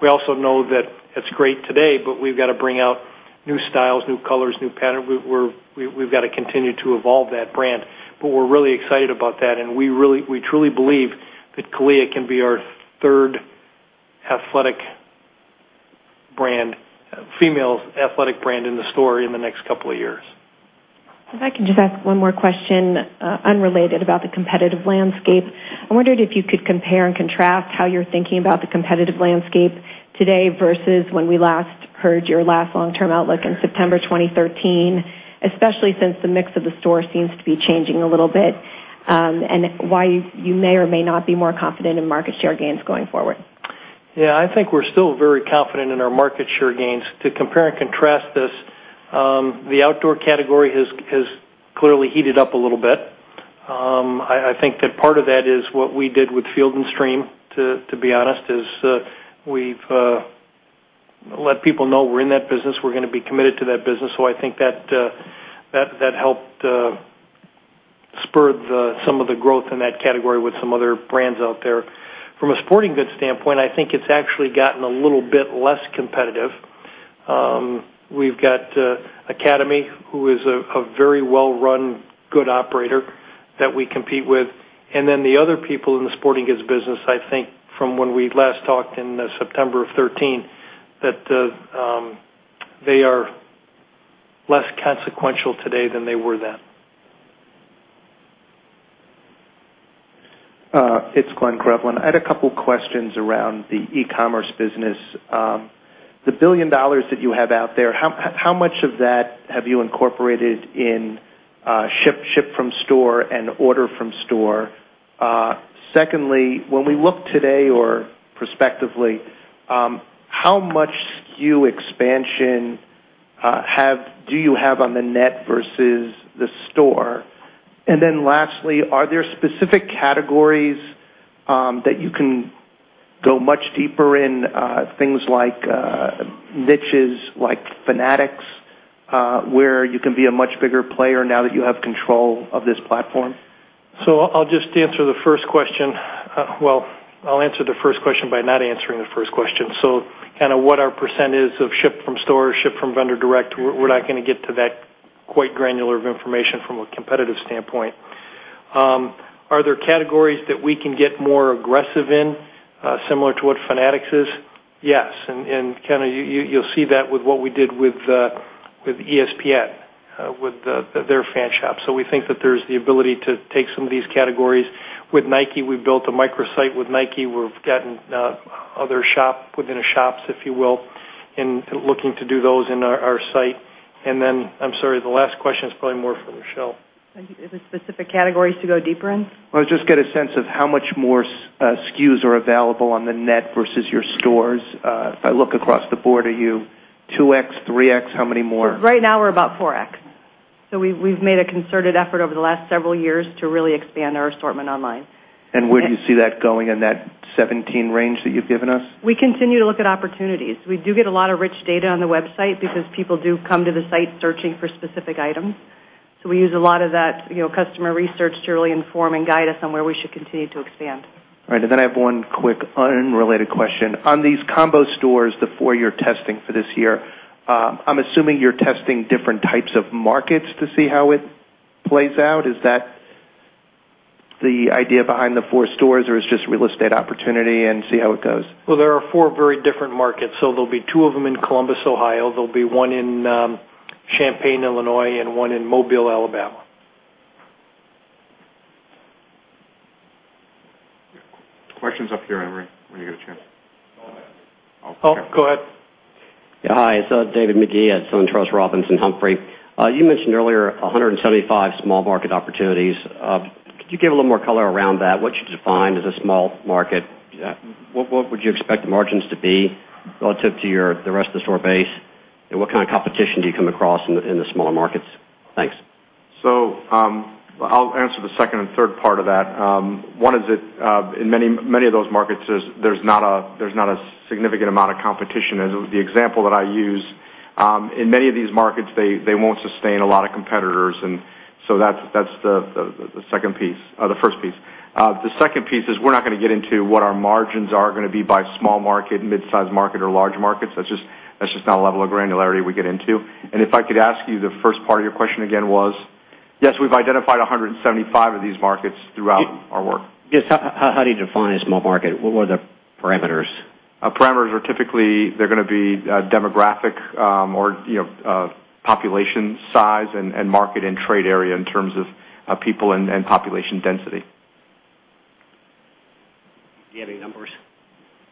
We also know that it's great today, we've got to bring out new styles, new colors, new patterns. We've got to continue to evolve that brand. We're really excited about that, and we truly believe that CALIA can be our third athletic brand, female athletic brand in the store in the next couple of years. If I can just ask one more question, unrelated, about the competitive landscape. I wondered if you could compare and contrast how you're thinking about the competitive landscape today versus when we last heard your last long-term outlook in September 2013, especially since the mix of the store seems to be changing a little bit. Why you may or may not be more confident in market share gains going forward. Yeah. I think we're still very confident in our market share gains. To compare and contrast this, the outdoor category has clearly heated up a little bit. I think that part of that is what we did with Field & Stream, to be honest, is we've let people know we're in that business. We're going to be committed to that business. I think that helped spur some of the growth in that category with some other brands out there. From a sporting goods standpoint, I think it's actually gotten a little bit less competitive. We've got Academy, who is a very well-run, good operator that we compete with. The other people in the sporting goods business, I think from when we last talked in September of 2013, that they are less consequential today than they were then. It's John Kernan. I had a couple questions around the e-commerce business. The $1 billion that you have out there, how much of that have you incorporated in ship from store and order from store? Secondly, when we look today or prospectively, how much SKU expansion do you have on the net versus the store? Lastly, are there specific categories that you can go much deeper in, things like niches, like Fanatics, where you can be a much bigger player now that you have control of this platform? I'll just answer the first question. I'll answer the first question by not answering the first question. What our % is of ship from store, ship from vendor direct, we're not going to get to that quite granular of information from a competitive standpoint. Are there categories that we can get more aggressive in, similar to what Fanatics is? Yes. You'll see that with what we did with ESPN, with their Fan Shop. We think that there's the ability to take some of these categories. With Nike, we've built a microsite with Nike. We've gotten other shop within a shops, if you will, and looking to do those in our site. I'm sorry, the last question is probably more for Michele. Is it specific categories to go deeper in? I just get a sense of how much more SKUs are available on the net versus your stores. If I look across the board, are you 2x, 3x? How many more? Right now, we're about 4x. We've made a concerted effort over the last several years to really expand our assortment online. Where do you see that going in that 17 range that you've given us? We continue to look at opportunities. We do get a lot of rich data on the website because people do come to the site searching for specific items. We use a lot of that customer research to really inform and guide us on where we should continue to expand. I have one quick unrelated question. On these combo stores, the four you're testing for this year, I'm assuming you're testing different types of markets to see how it plays out. Is that the idea behind the four stores, or it's just real estate opportunity and see how it goes? There are four very different markets. There will be two of them in Columbus, Ohio. There will be one in Champaign, Illinois, and one in Mobile, Alabama. Questions up here, Anne Marie, when you get a chance. Oh, go ahead. Yeah. Hi, it's David Magee at SunTrust Robinson Humphrey. You mentioned earlier 175 small market opportunities. Could you give a little more color around that, what you define as a small market? What would you expect the margins to be relative to the rest of the store base? What kind of competition do you come across in the smaller markets? Thanks. I'll answer the second and third part of that. One is that in many of those markets, there's not a significant amount of competition. The example that I use, in many of these markets, they won't sustain a lot of competitors. That's the first piece. The second piece is we're not going to get into what our margins are going to be by small market, midsize market, or large markets. That's just not a level of granularity we get into. If I could ask you, the first part of your question again was? Yes, we've identified 175 of these markets throughout our work. Yes. How do you define a small market? What are the parameters? Parameters are typically, they're going to be demographic or population size and market and trade area in terms of people and population density. Do you have any numbers?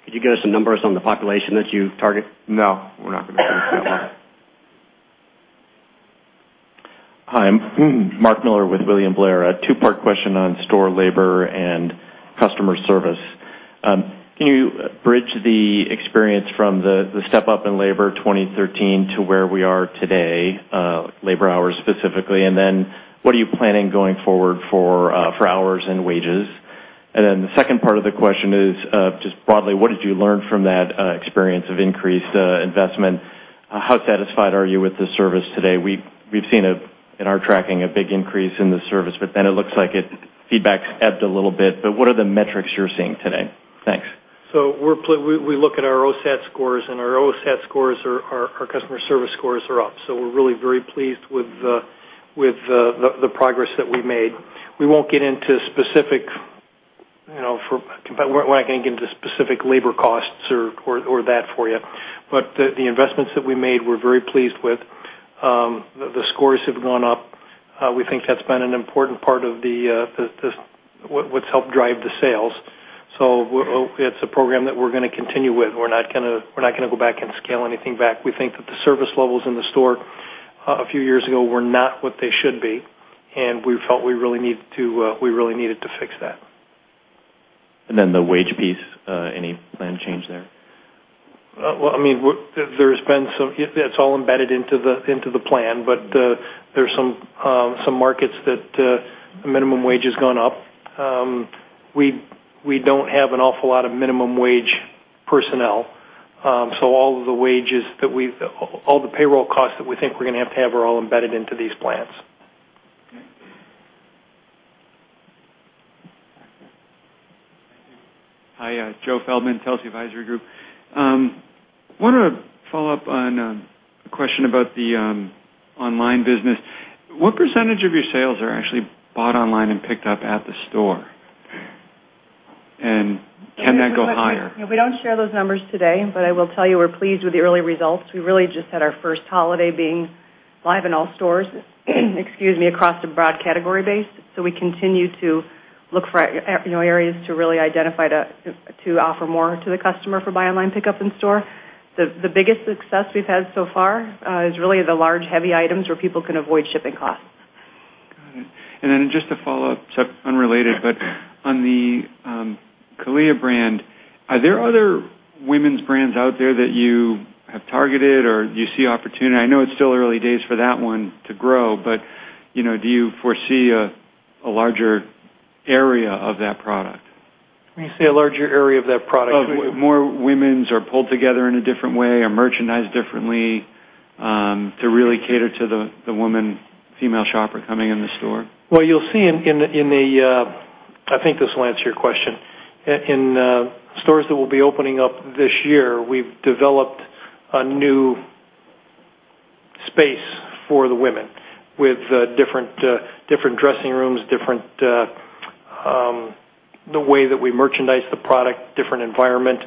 Could you give us some numbers on the population that you target? No, we're not going to do that. Hi, I'm Mark Miller with William Blair. A two-part question on store labor and customer service. Can you bridge the experience from the step-up in labor 2013 to where we are today, labor hours specifically? What are you planning going forward for hours and wages? The second part of the question is just broadly, what did you learn from that experience of increased investment? How satisfied are you with the service today? We've seen in our tracking, a big increase in the service, it looks like feedback's ebbed a little bit. What are the metrics you're seeing today? Thanks. We look at our OSAT scores, our OSAT scores, our customer service scores are up. We're really very pleased with the progress that we made. We won't get into specific labor costs or that for you. The investments that we made, we're very pleased with. The scores have gone up. We think that's been an important part of what's helped drive the sales. It's a program that we're going to continue with. We're not going to go back and scale anything back. We think that the service levels in the store a few years ago were not what they should be, and we felt we really needed to fix that. The wage piece, any plan change there? That's all embedded into the plan, there's some markets that the minimum wage has gone up. We don't have an awful lot of minimum wage personnel. All the payroll costs that we think we're going to have to have are all embedded into these plans. Okay. Hi, Joe Feldman, Telsey Advisory Group. Wanted to follow up on a question about the online business. What % of your sales are actually bought online and picked up at the store? Can that go higher? We don't share those numbers today, but I will tell you we're pleased with the early results. We really just had our first holiday being live in all stores across the broad category base. We continue to look for areas to really identify to offer more to the customer for buy online, pick up in store. The biggest success we've had so far is really the large, heavy items where people can avoid shipping costs. Got it. Just a follow-up, unrelated, but on the CALIA brand, are there other women's brands out there that you have targeted or you see opportunity? I know it's still early days for that one to grow, but do you foresee a larger area of that product? When you say a larger area of that product- More women's are pulled together in a different way or merchandised differently to really cater to the woman, female shopper coming in the store. You'll see I think this will answer your question. In stores that will be opening up this year, we've developed a new Space for the women with different dressing rooms, the way that we merchandise the product, different environment,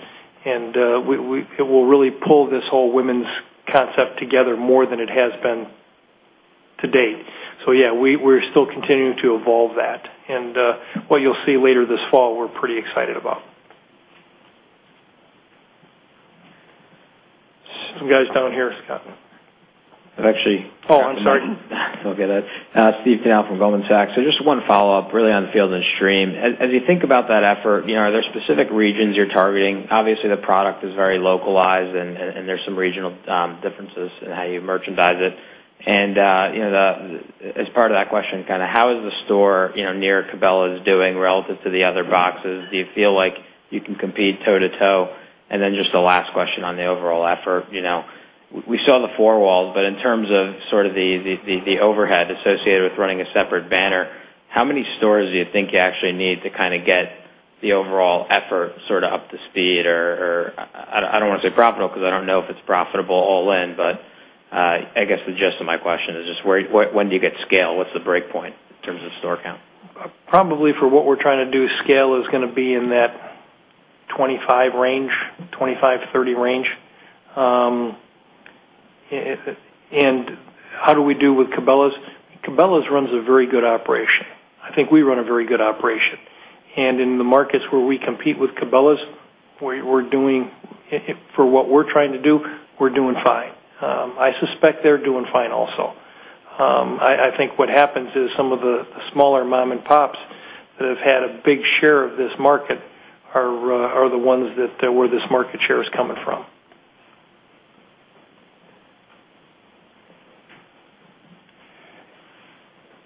it will really pull this whole women's concept together more than it has been to date. Yeah, we're still continuing to evolve that. What you'll see later this fall, we're pretty excited about. Some guys down here. I've actually- Oh, I'm sorry. It's all good. Steve [Tal] from Goldman Sachs. Just one follow-up, really, on Field & Stream. As you think about that effort, are there specific regions you're targeting? Obviously, the product is very localized, and there's some regional differences in how you merchandise it. As part of that question, how is the store near Cabela's doing relative to the other boxes? Do you feel like you can compete toe to toe? Just a last question on the overall effort. We saw the four walls, in terms of the overhead associated with running a separate banner, how many stores do you think you actually need to get the overall effort up to speed, or I don't want to say profitable because I don't know if it's profitable all in, but I guess the gist of my question is just when do you get scale? What's the break point in terms of store count? Probably for what we're trying to do, scale is going to be in that 25-30 range. How do we do with Cabela's? Cabela's runs a very good operation. I think we run a very good operation. In the markets where we compete with Cabela's, for what we're trying to do, we're doing fine. I suspect they're doing fine also. I think what happens is some of the smaller mom and pops that have had a big share of this market are the ones that where this market share is coming from.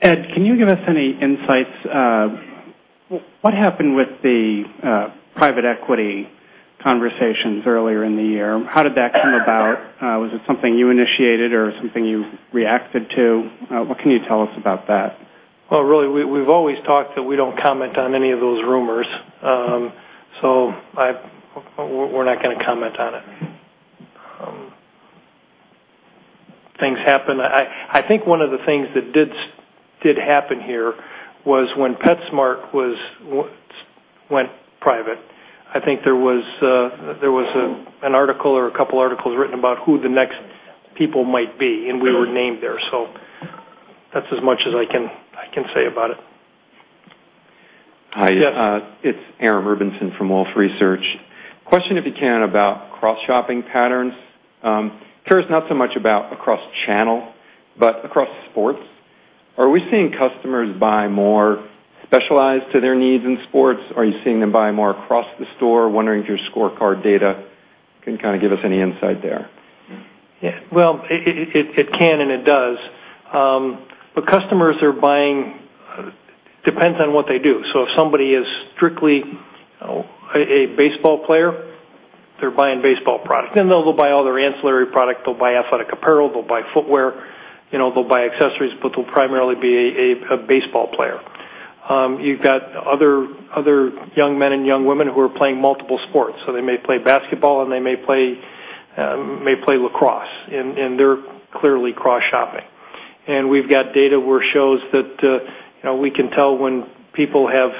Ed, can you give us any insights? What happened with the private equity conversations earlier in the year? How did that come about? Was it something you initiated or something you reacted to? What can you tell us about that? We've always talked that we don't comment on any of those rumors. We're not going to comment on it. Things happen. I think one of the things that did happen here was when PetSmart went private, I think there was an article or a couple articles written about who the next people might be, and we were named there. That's as much as I can say about it. Hi. Yes. It's Aram Rubinson from Wolfe Research. Question, if you can, about cross-shopping patterns. Curious not so much about across channel, across sports. Are we seeing customers buy more specialized to their needs in sports? Are you seeing them buy more across the store? Wondering if your scorecard data can give us any insight there. It can and it does. Customers are buying. Depends on what they do. If somebody is strictly a baseball player, they're buying baseball product. They'll go buy all their ancillary product. They'll buy athletic apparel, they'll buy footwear, they'll buy accessories, they'll primarily be a baseball player. You've got other young men and young women who are playing multiple sports. They may play basketball, they may play lacrosse, and they're clearly cross-shopping. We've got data where it shows that we can tell when people have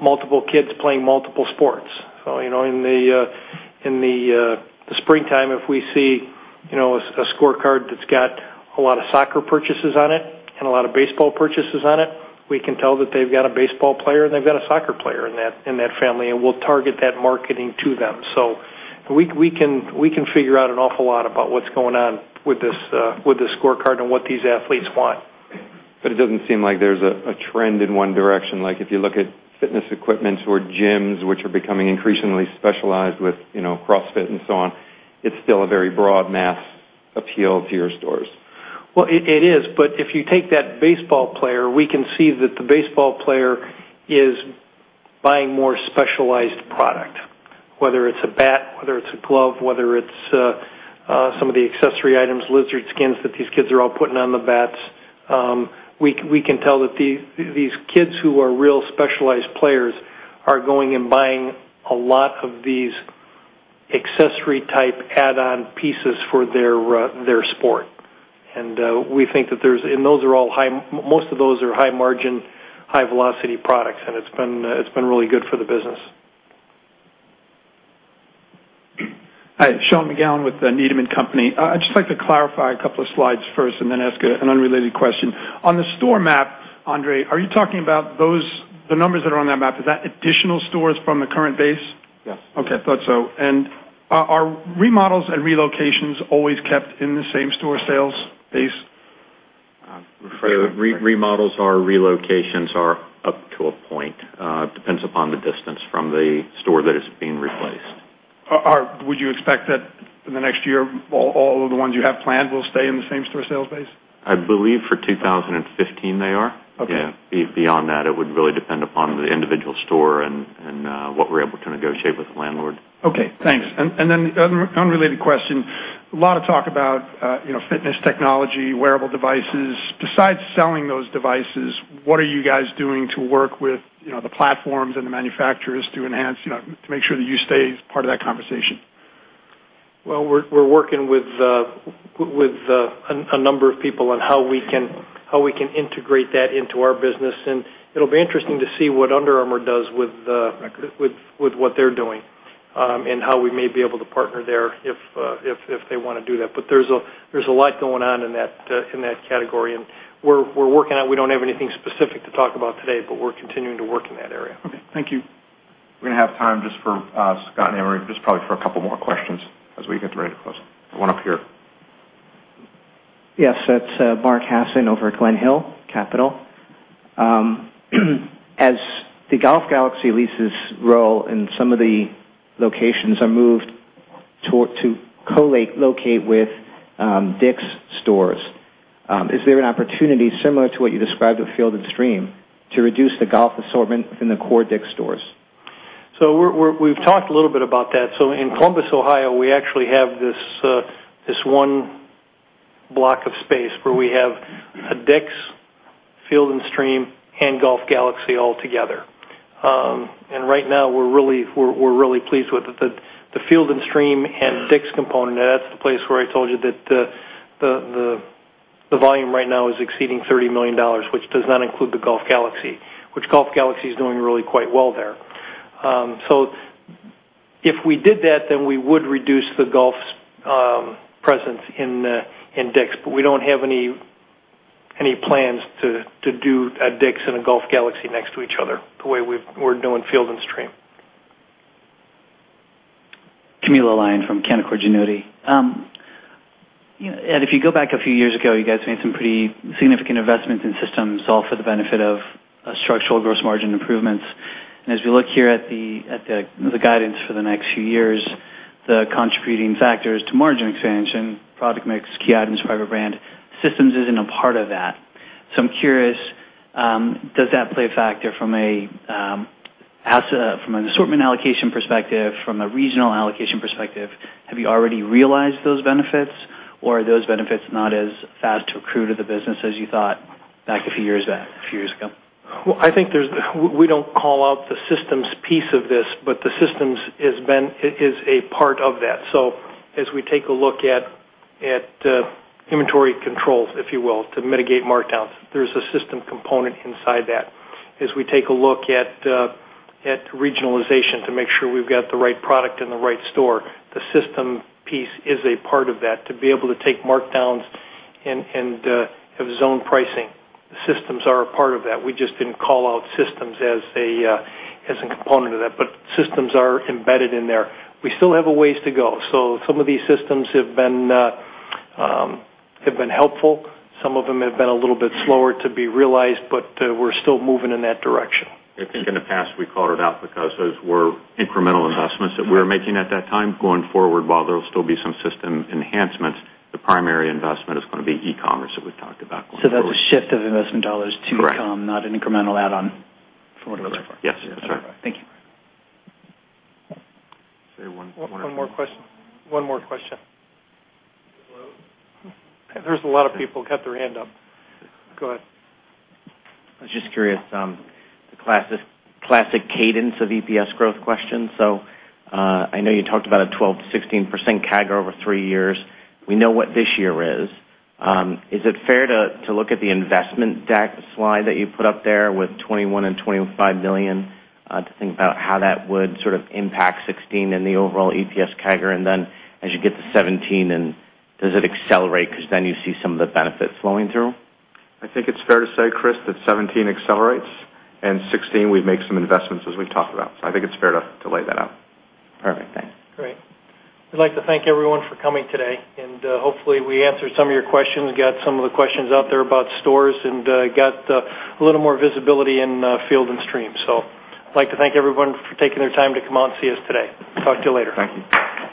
multiple kids playing multiple sports. In the springtime, if we see a scorecard that's got a lot of soccer purchases on it and a lot of baseball purchases on it, we can tell that they've got a baseball player and they've got a soccer player in that family, and we'll target that marketing to them. We can figure out an awful lot about what's going on with this scorecard and what these athletes want. It doesn't seem like there's a trend in one direction. If you look at fitness equipment or gyms, which are becoming increasingly specialized with CrossFit and so on, it's still a very broad mass appeal to your stores. Well, it is. If you take that baseball player, we can see that the baseball player is buying more specialized product, whether it's a bat, whether it's a glove, whether it's some of the accessory items, Lizard Skins, that these kids are all putting on the bats. We can tell that these kids who are real specialized players are going and buying a lot of these accessory-type add-on pieces for their sport. Most of those are high-margin, high-velocity products, and it's been really good for the business. Hi. Sean McGowan with Needham & Company. I'd just like to clarify a couple of slides first and then ask an unrelated question. On the store map, André, are you talking about the numbers that are on that map? Is that additional stores from the current base? Yes. Okay. Thought so. Are remodels and relocations always kept in the same store sales base? Remodels are, relocations are up to a point. It depends upon the distance from the store that is being replaced. Would you expect that in the next year, all of the ones you have planned will stay in the same store sales base? I believe for 2015, they are. Okay. Beyond that, it would really depend upon the individual store and what we're able to negotiate with the landlord. Okay, thanks. Unrelated question. A lot of talk about fitness technology, wearable devices. Besides selling those devices, what are you guys doing to work with the platforms and the manufacturers to make sure that you stay as part of that conversation? Well, we're working with a number of people on how we can integrate that into our business. It'll be interesting to see what Under Armour does with what they're doing, and how we may be able to partner there if they want to do that. There's a lot going on in that category, and we don't have anything specific to talk about today, but we're continuing to work in that area. Okay. Thank you. We're going to have time just for Scott and Emory, just probably for a couple more questions as we get ready to close. One up here. Yes. It's Mark Hassin over at Glenhill Capital. As the Golf Galaxy leases roll and some of the locations are moved to co-locate with DICK'S stores, is there an opportunity similar to what you described with Field & Stream, to reduce the golf assortment in the core DICK'S stores? We've talked a little bit about that. In Columbus, Ohio, we actually have this one block of space where we have a DICK'S, Field & Stream, and Golf Galaxy all together. Right now, we're really pleased with it. The Field & Stream and DICK'S component, that's the place where I told you that the volume right now is exceeding $30 million, which does not include the Golf Galaxy. Golf Galaxy is doing really quite well there. If we did that, then we would reduce the golf presence in DICK'S, we don't have any plans to do a DICK'S and a Golf Galaxy next to each other, the way we're doing Field & Stream. Camillo Lion from Canaccord Genuity. Ed, if you go back a few years ago, you guys made some pretty significant investments in systems, all for the benefit of structural gross margin improvements. As we look here at the guidance for the next few years, the contributing factors to margin expansion, product mix, key items, private brand, systems isn't a part of that. I'm curious, does that play a factor from an assortment allocation perspective, from a regional allocation perspective? Have you already realized those benefits, or are those benefits not as fast to accrue to the business as you thought back a few years ago? Well, I think we don't call out the systems piece of this, the systems is a part of that. As we take a look at inventory controls, if you will, to mitigate markdowns, there's a system component inside that. As we take a look at regionalization to make sure we've got the right product in the right store, the system piece is a part of that, to be able to take markdowns and have zone pricing. Systems are a part of that. We just didn't call out systems as a component of that, systems are embedded in there. We still have a ways to go. Some of these systems have been helpful. Some of them have been a little bit slower to be realized, we're still moving in that direction. I think in the past, we called it out because those were incremental investments that we were making at that time. Going forward, while there will still be some system enhancements, the primary investment is going to be e-commerce that we have talked about going forward. That is a shift of investment dollars to e-com- Correct not an incremental add-on from what it was before. Yes, that is right. Thank you. Say one more. One more question. There's a lot of people got their hand up. Go ahead. I was just curious. The classic cadence of EPS growth question. I know you talked about a 12%-16% CAGR over three years. We know what this year is. Is it fair to look at the investment deck slide that you put up there with $21 million and $25 million to think about how that would sort of impact 2016 and the overall EPS CAGR? As you get to 2017, and does it accelerate because then you see some of the benefits flowing through? I think it's fair to say, Chris, that 2017 accelerates. 2016, we make some investments as we've talked about. I think it's fair to lay that out. Perfect. Thanks. Great. We'd like to thank everyone for coming today. Hopefully, we answered some of your questions and got some of the questions out there about stores and got a little more visibility in Field & Stream. I'd like to thank everyone for taking their time to come out and see us today. Talk to you later. Thank you.